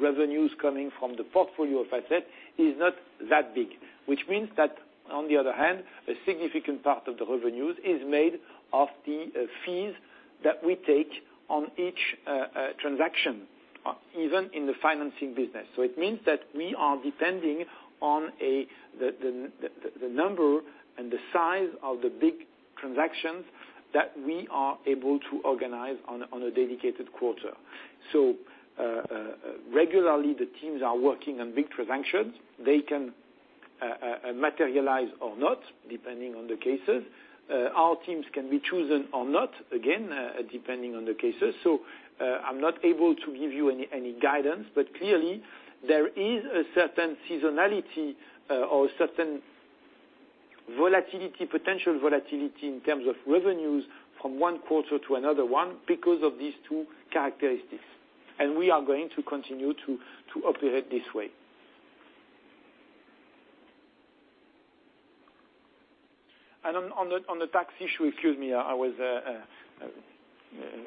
Speaker 1: revenues coming from the portfolio of assets, is not that big, which means that, on the other hand, a significant part of the revenues is made of the fees that we take on each transaction, even in the financing business. It means that we are depending on the number and the size of the big transactions that we are able to organize on a dedicated quarter. Regularly the teams are working on big transactions. They can materialize or not, depending on the cases. Our teams can be chosen or not, again, depending on the cases. I'm not able to give you any guidance, but clearly there is a certain seasonality or a certain volatility, potential volatility in terms of revenues from one quarter to another one because of these two characteristics. We are going to continue to operate this way.
Speaker 2: On the tax issue, excuse me, I was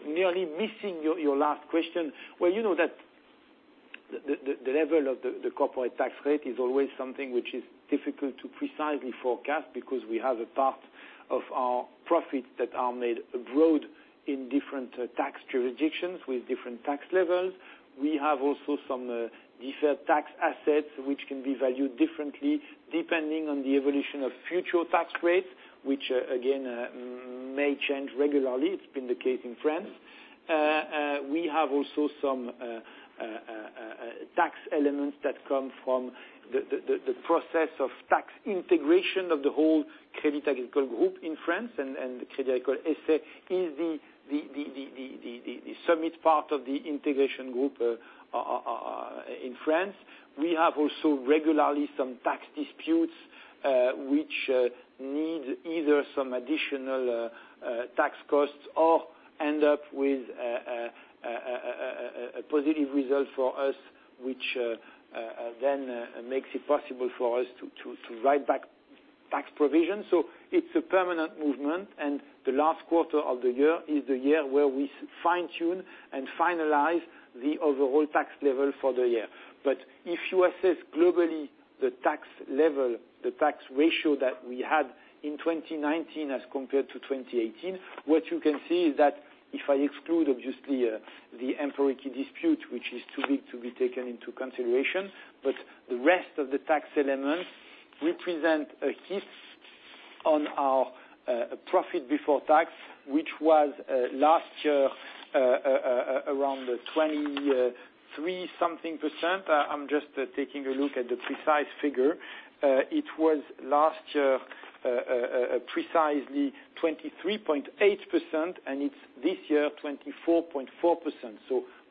Speaker 2: nearly missing your last question. Well, you know that the level of the corporate tax rate is always something which is difficult to precisely forecast because we have a part of our profits that are made abroad in different tax jurisdictions with different tax levels. We have also some deferred tax assets, which can be valued differently depending on the evolution of future tax rates, which again, may change regularly. It's been the case in France. We have also some tax elements that come from the process of tax integration of the whole Crédit Agricole Group in France and Crédit Agricole S.A. is the summit part of the integration group in France. We have also regularly some tax disputes, which need either some additional tax costs or end up with a positive result for us, which then makes it possible for us to write back tax provisions. It's a permanent movement, and the last quarter of the year is the year where we fine-tune and finalize the overall tax level for the year. If you assess globally the tax level, the tax ratio that we had in 2019 as compared to 2018, what you can see is that if I exclude obviously, the Emporiki dispute, which is to be taken into consideration, the rest of the tax elements represent a lift on our profit before tax, which was, last year, around 23 something %. I'm just taking a look at the precise figure. It was, last year, precisely 23.8%, and it's this year 24.4%.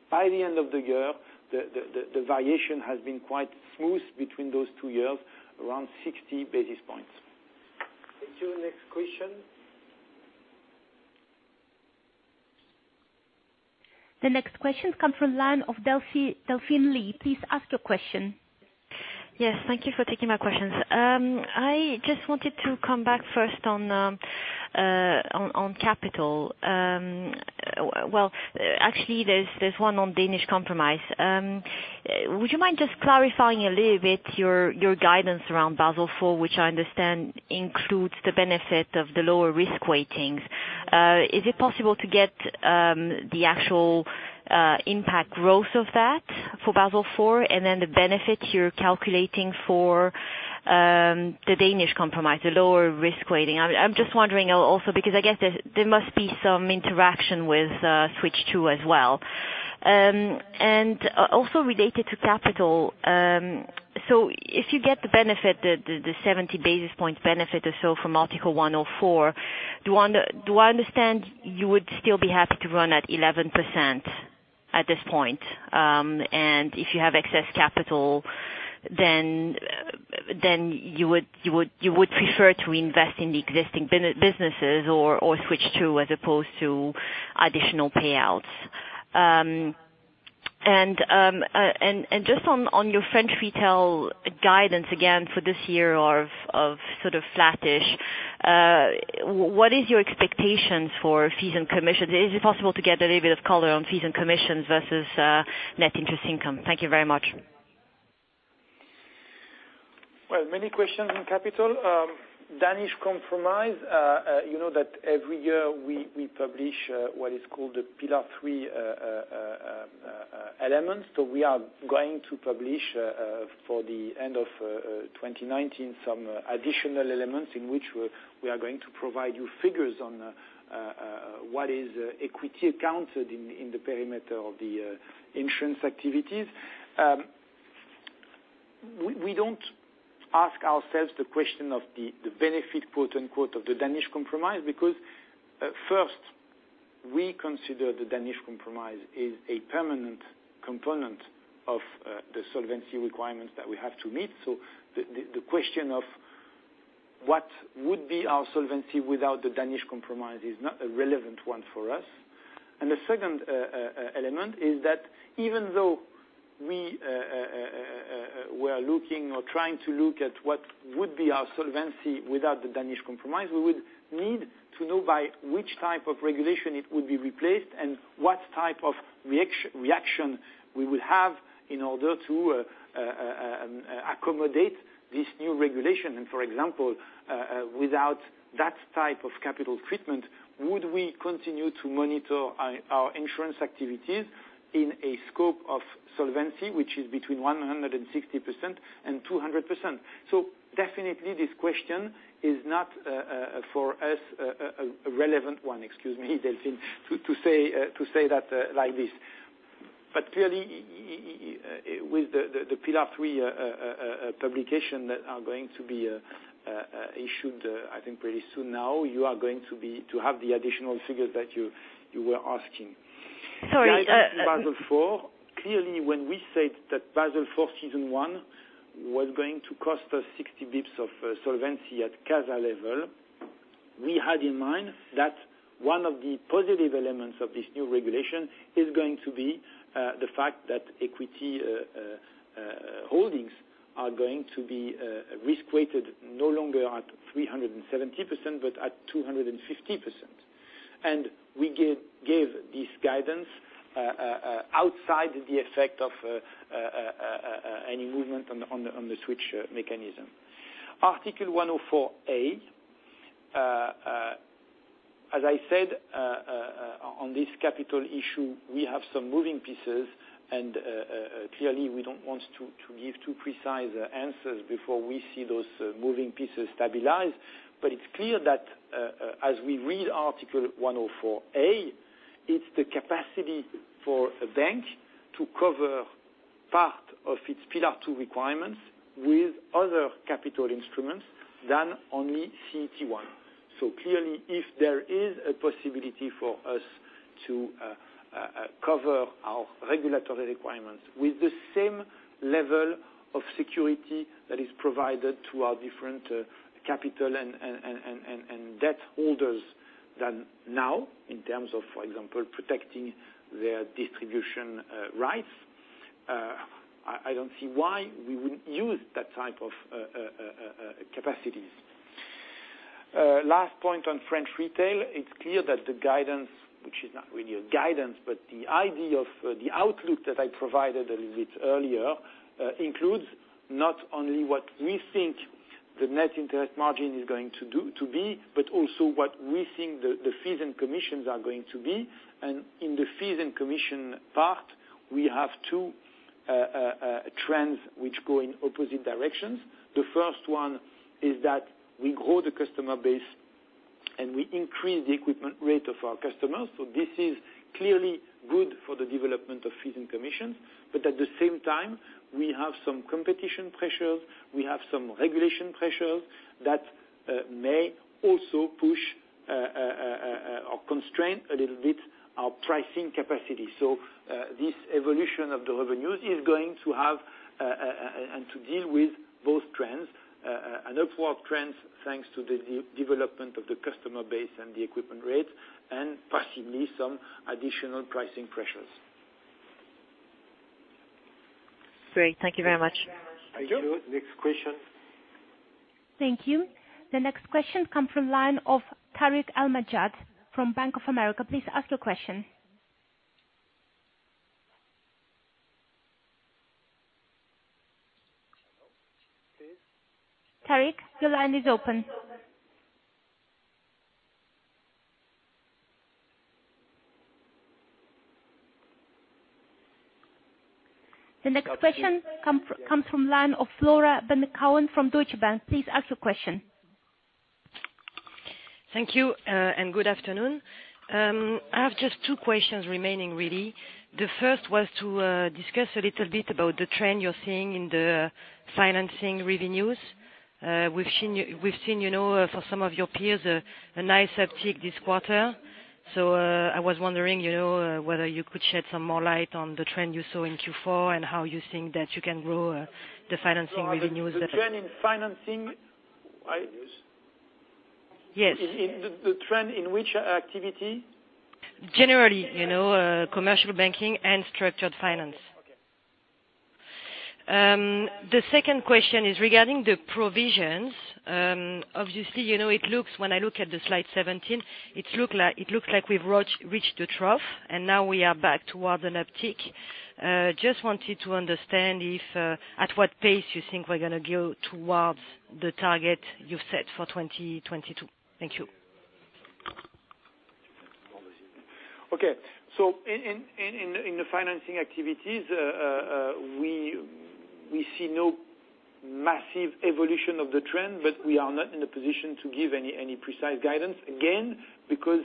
Speaker 2: By the end of the year, the variation has been quite smooth between those two years, around 60 basis points.
Speaker 1: Thank you. Next question.
Speaker 7: The next question comes from line of Delphine Lee. Please ask your question.
Speaker 9: Yes, thank you for taking my questions. I just wanted to come back first on capital. Well, actually, there's one on Danish Compromise. Would you mind just clarifying a little bit your guidance around Basel IV, which I understand includes the benefit of the lower risk weightings? Is it possible to get the actual impact growth of that for Basel IV and then the benefit you're calculating for the Danish Compromise, the lower risk weighting? I'm just wondering also because I guess there must be some interaction with Switch two as well. Also related to capital, so if you get the benefit, the 70 basis points benefit or so from Article 104, do I understand you would still be happy to run at 11% at this point? If you have excess capital, then you would prefer to invest in the existing businesses or Switch two as opposed to additional payouts? Just on your French retail guidance again for this year of sort of flattish, what is your expectation for fees and commissions? Is it possible to get a little bit of color on fees and commissions versus net interest income? Thank you very much.
Speaker 2: Well, many questions on capital. Danish Compromise, you know that every year we publish what is called the Pillar three elements. We are going to publish, for the end of 2019, some additional elements in which we are going to provide you figures on what is equity accounted in the perimeter of the insurance activities. We don't ask ourselves the question of the benefit, quote-unquote, of the Danish Compromise because, first, we consider the Danish Compromise is a permanent component of the solvency requirements that we have to meet. The question of what would be our solvency without the Danish Compromise is not a relevant one for us. The second element is that even though we were looking or trying to look at what would be our solvency without the Danish Compromise, we would need to know by which type of regulation it would be replaced and what type of reaction we would have in order to accommodate this new regulation. For example, without that type of capital treatment, would we continue to monitor our insurance activities in a scope of solvency which is between 160% and 200%? Definitely this question is not, for us, a relevant one, excuse me, Delphine, to say that like this. Clearly, with the Pillar three publication that are going to be issued, I think pretty soon now, you are going to have the additional figures that you were asking.
Speaker 9: Sorry.
Speaker 2: Basel IV, clearly, when we said that Basel IV season one was going to cost us 60 basis points of solvency at CASA level, we had in mind that one of the positive elements of this new regulation is going to be the fact that equity holdings are going to be risk-weighted no longer at 370%, but at 250%. We gave this guidance outside the effect of any movement on the switch mechanism. Article 104A, as I said on this capital issue, we have some moving pieces, clearly we don't want to give too precise answers before we see those moving pieces stabilize. It's clear that as we read Article 104A, it's the capacity for a bank to cover part of its Pillar 2 requirements with other capital instruments than only CET1. Clearly, if there is a possibility for us to cover our regulatory requirements with the same level of security that is provided to our different capital and debt holders than now, in terms of, for example, protecting their distribution rights, I don't see why we wouldn't use that type of capacities. Last point on French retail. It's clear that the guidance, which is not really a guidance, but the idea of the outlook that I provided a little bit earlier, includes not only what we think the net interest margin is going to be, but also what we think the fees and commissions are going to be. In the fees and commission part, we have two trends which go in opposite directions. The first one is that we grow the customer base and we increase the equipment rate of our customers. This is clearly good for the development of fees and commissions. At the same time, we have some competition pressures, we have some regulation pressures that may also push or constrain a little bit our pricing capacity. This evolution of the revenues is going to have, and to deal with both trends, an upward trend, thanks to the development of the customer base and the equipment rates, and possibly some additional pricing pressures.
Speaker 9: Great. Thank you very much.
Speaker 2: Thank you.
Speaker 1: Next question.
Speaker 7: Thank you. The next question comes from line of Tarik El Mejjad from Bank of America. Please ask your question. Tarik, your line is open. The next question comes from line of Flora Bocahut from Deutsche Bank. Please ask your question.
Speaker 10: Thank you. Good afternoon. I have just two questions remaining, really. The first was to discuss a little bit about the trend you're seeing in the financing revenues. We've seen for some of your peers, a nice uptick this quarter. I was wondering, whether you could shed some more light on the trend you saw in Q4 and how you think that you can grow the financing revenues better.
Speaker 2: The trend in financing, right?
Speaker 10: Yes.
Speaker 2: The trend in which activity?
Speaker 10: Generally, commercial banking and structured finance.
Speaker 2: Okay.
Speaker 10: The second question is regarding the provisions. Obviously, when I look at the slide 17, it looks like we've reached a trough, and now we are back toward an uptick. Just wanted to understand at what pace you think we're going to go towards the target you've set for 2022. Thank you.
Speaker 2: In the financing activities, we see no massive evolution of the trend, but we are not in a position to give any precise guidance, again, because,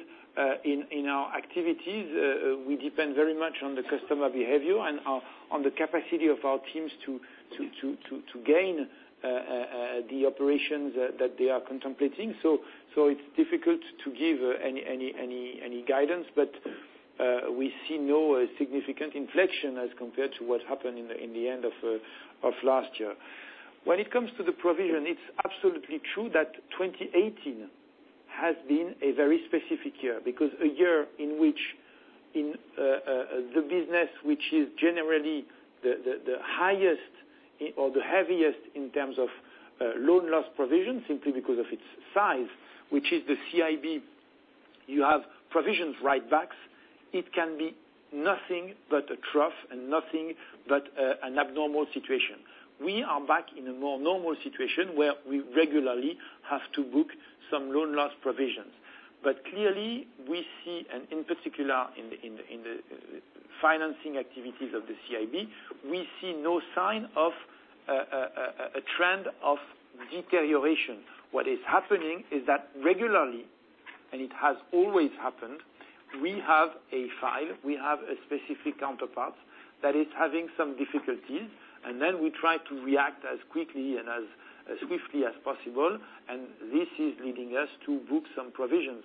Speaker 2: in our activities, we depend very much on the customer behavior and on the capacity of our teams to gain the operations that they are contemplating. It's difficult to give any guidance, but we see no significant inflection as compared to what happened in the end of last year. When it comes to the provision, it's absolutely true that 2018 has been a very specific year, because a year in which the business which is generally the highest or the heaviest in terms of loan loss provision, simply because of its size, which is the CIB, you have provisions write-backs. It can be nothing but a trough and nothing but an abnormal situation. We are back in a more normal situation where we regularly have to book some loan loss provisions. Clearly, we see, and in particular in the financing activities of the CIB, we see no sign of a trend of deterioration. What is happening is that regularly, and it has always happened, we have a file, we have a specific counterpart that is having some difficulties, and then we try to react as quickly and as swiftly as possible, and this is leading us to book some provisions.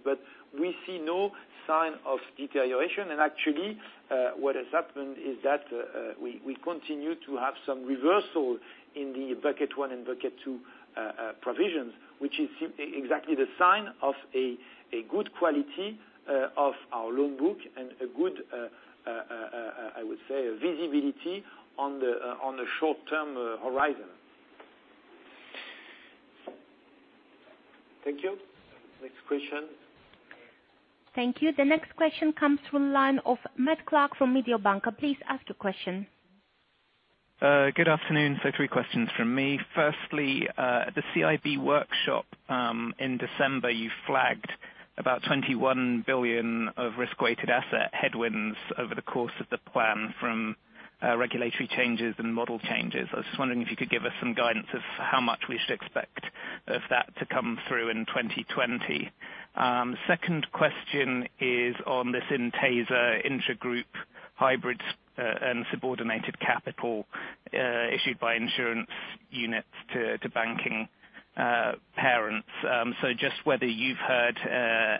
Speaker 2: We see no sign of deterioration. Actually, what has happened is that we continue to have some reversal in the Bucket 1 and bucket two provisions, which is exactly the sign of a good quality of our loan book and a good, I would say, visibility on the short-term horizon.
Speaker 1: Thank you. Next question.
Speaker 7: Thank you. The next question comes from the line of Matt Clark from Mediobanca. Please ask the question.
Speaker 11: Good afternoon. Three questions from me. Firstly, the CIB workshop, in December, you flagged about 21 billion of risk-weighted asset headwinds over the course of the plan from regulatory changes and model changes. I was just wondering if you could give us some guidance as to how much we should expect of that to come through in 2020. Second question is on this Intesa intragroup hybrids and subordinated capital issued by insurance units to banking parents. Just whether you've heard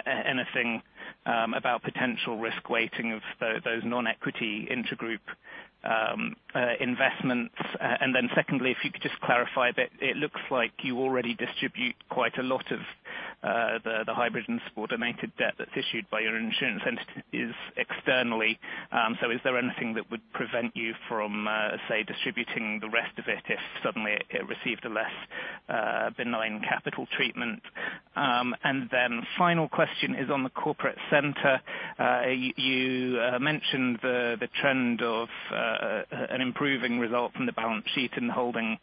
Speaker 11: anything about potential risk weighting of those non-equity intragroup investments. Secondly, if you could just clarify a bit, it looks like you already distribute quite a lot of the hybrid and subordinated debt that's issued by your insurance entities externally. Is there anything that would prevent you from, say, distributing the rest of it if suddenly it received a less benign capital treatment? Final question is on the corporate center. You mentioned the trend of an improving result from the balance sheet in the holding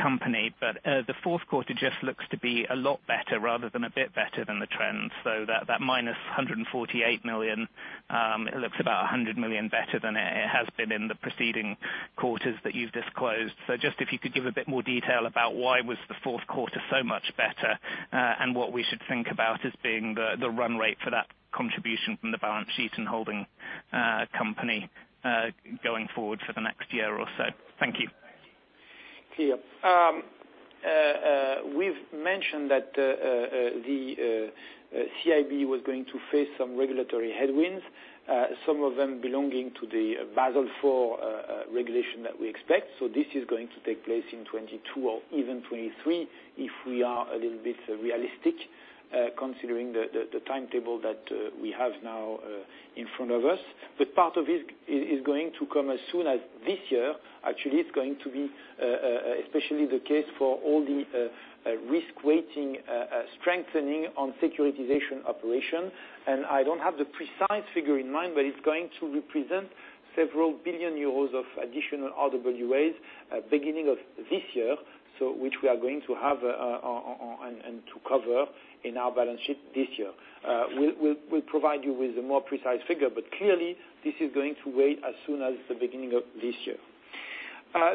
Speaker 11: company, the fourth quarter just looks to be a lot better rather than a bit better than the trend. That -148 million, it looks about 100 million better than it has been in the preceding quarters that you've disclosed. Just if you could give a bit more detail about why was the fourth quarter so much better, and what we should think about as being the run rate for that contribution from the balance sheet and holding company, going forward for the next year or so. Thank you.
Speaker 2: Clear. We've mentioned that the CIB was going to face some regulatory headwinds, some of them belonging to the Basel IV regulation that we expect. This is going to take place in 2022 or even 2023 if we are a little bit realistic, considering the timetable that we have now in front of us. Part of it is going to come as soon as this year. Actually, it's going to be especially the case for all the risk-weighting strengthening on securitization operation. I don't have the precise figure in mind, but it's going to represent several billion EUR of additional RWAs at the beginning of this year, which we are going to have and to cover in our balance sheet this year. We'll provide you with a more precise figure, but clearly, this is going to weigh as soon as the beginning of this year.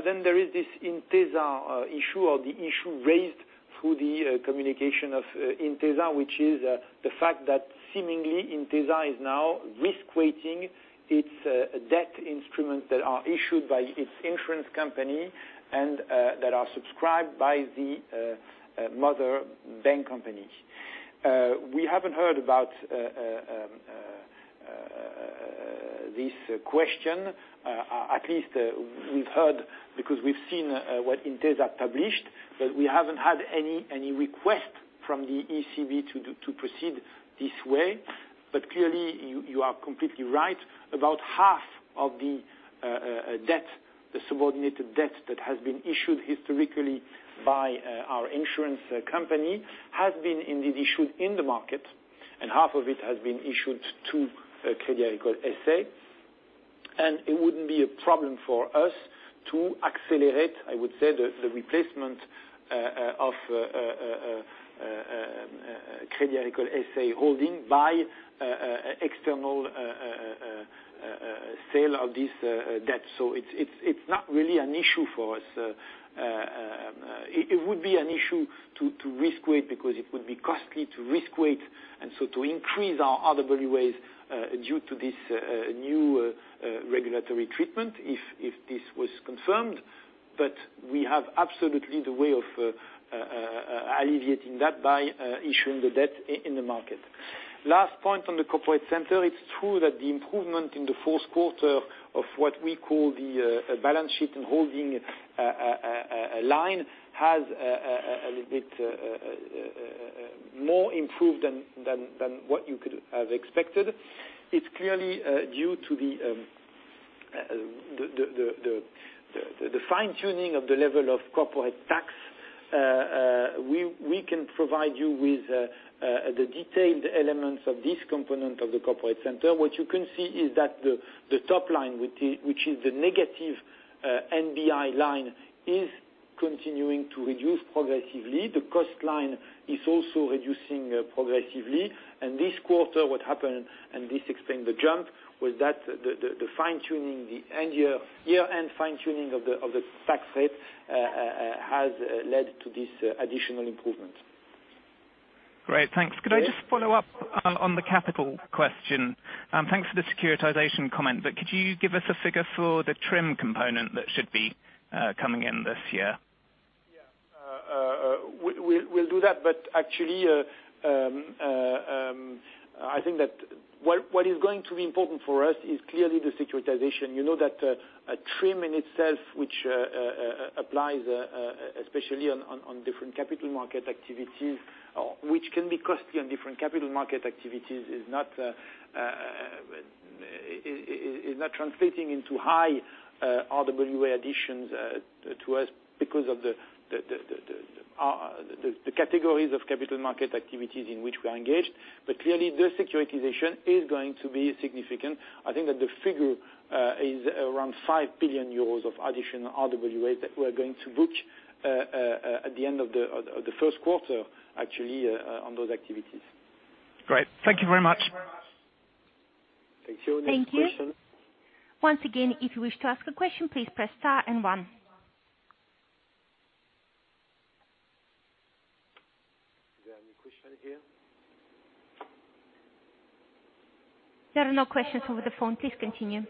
Speaker 2: There is this Intesa issue or the issue raised through the communication of Intesa, which is the fact that seemingly Intesa is now risk-weighting its debt instruments that are issued by its insurance company and that are subscribed by the mother bank company. We haven't heard about this question. At least we've heard because we've seen what Intesa published, we haven't had any requests from the ECB to proceed this way. Clearly, you are completely right. About half of the subordinated debt that has been issued historically by our insurance company has been indeed issued in the market, half of it has been issued to Crédit Agricole S.A. It wouldn't be a problem for us to accelerate, I would say, the replacement of Crédit Agricole S.A. holding by external sale of this debt. It's not really an issue for us. It would be an issue to risk weight because it would be costly to risk weight, and so to increase our RWAs due to this new regulatory treatment if this was confirmed. We have absolutely the way of alleviating that by issuing the debt in the market. Last point on the corporate center, it's true that the improvement in the fourth quarter of what we call the balance sheet and holding line has a little bit more improved than what you could have expected. It's clearly due to the fine-tuning of the level of corporate tax. We can provide you with the detailed elements of this component of the corporate center. What you can see is that the top line, which is the negative NBI line, is continuing to reduce progressively. The cost line is also reducing progressively. This quarter, what happened, and this explains the jump, was that the year-end fine-tuning of the tax rate has led to this additional improvement.
Speaker 11: Great. Thanks. Could I just follow up on the capital question? Thanks for the securitization comment, could you give us a figure for the TRIM component that should be coming in this year?
Speaker 2: Yeah. We'll do that. Actually, I think that what is going to be important for us is clearly the securitization. You know that a TRIM in itself, which applies especially on different capital market activities, which can be costly on different capital market activities, is not translating into high RWA additions to us because of the categories of capital market activities in which we are engaged. Clearly, the securitization is going to be significant. I think that the figure is around 5 billion euros of additional RWA that we're going to book at the end of the first quarter, actually, on those activities.
Speaker 11: Great. Thank you very much.
Speaker 2: Thank you. Next question.
Speaker 7: Thank you. Once again, if you wish to ask a question, please press star and one.
Speaker 1: Is there any question here?
Speaker 7: There are no questions over the phone. Please continue.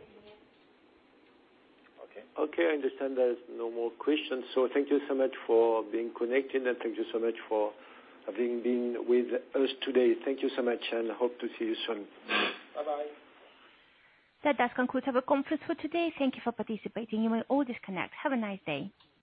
Speaker 1: Okay. I understand there's no more questions. Thank you so much for being connected, and thank you so much for being with us today. Thank you so much, and hope to see you soon. Bye-bye.
Speaker 7: That does conclude our conference for today. Thank you for participating. You may all disconnect. Have a nice day.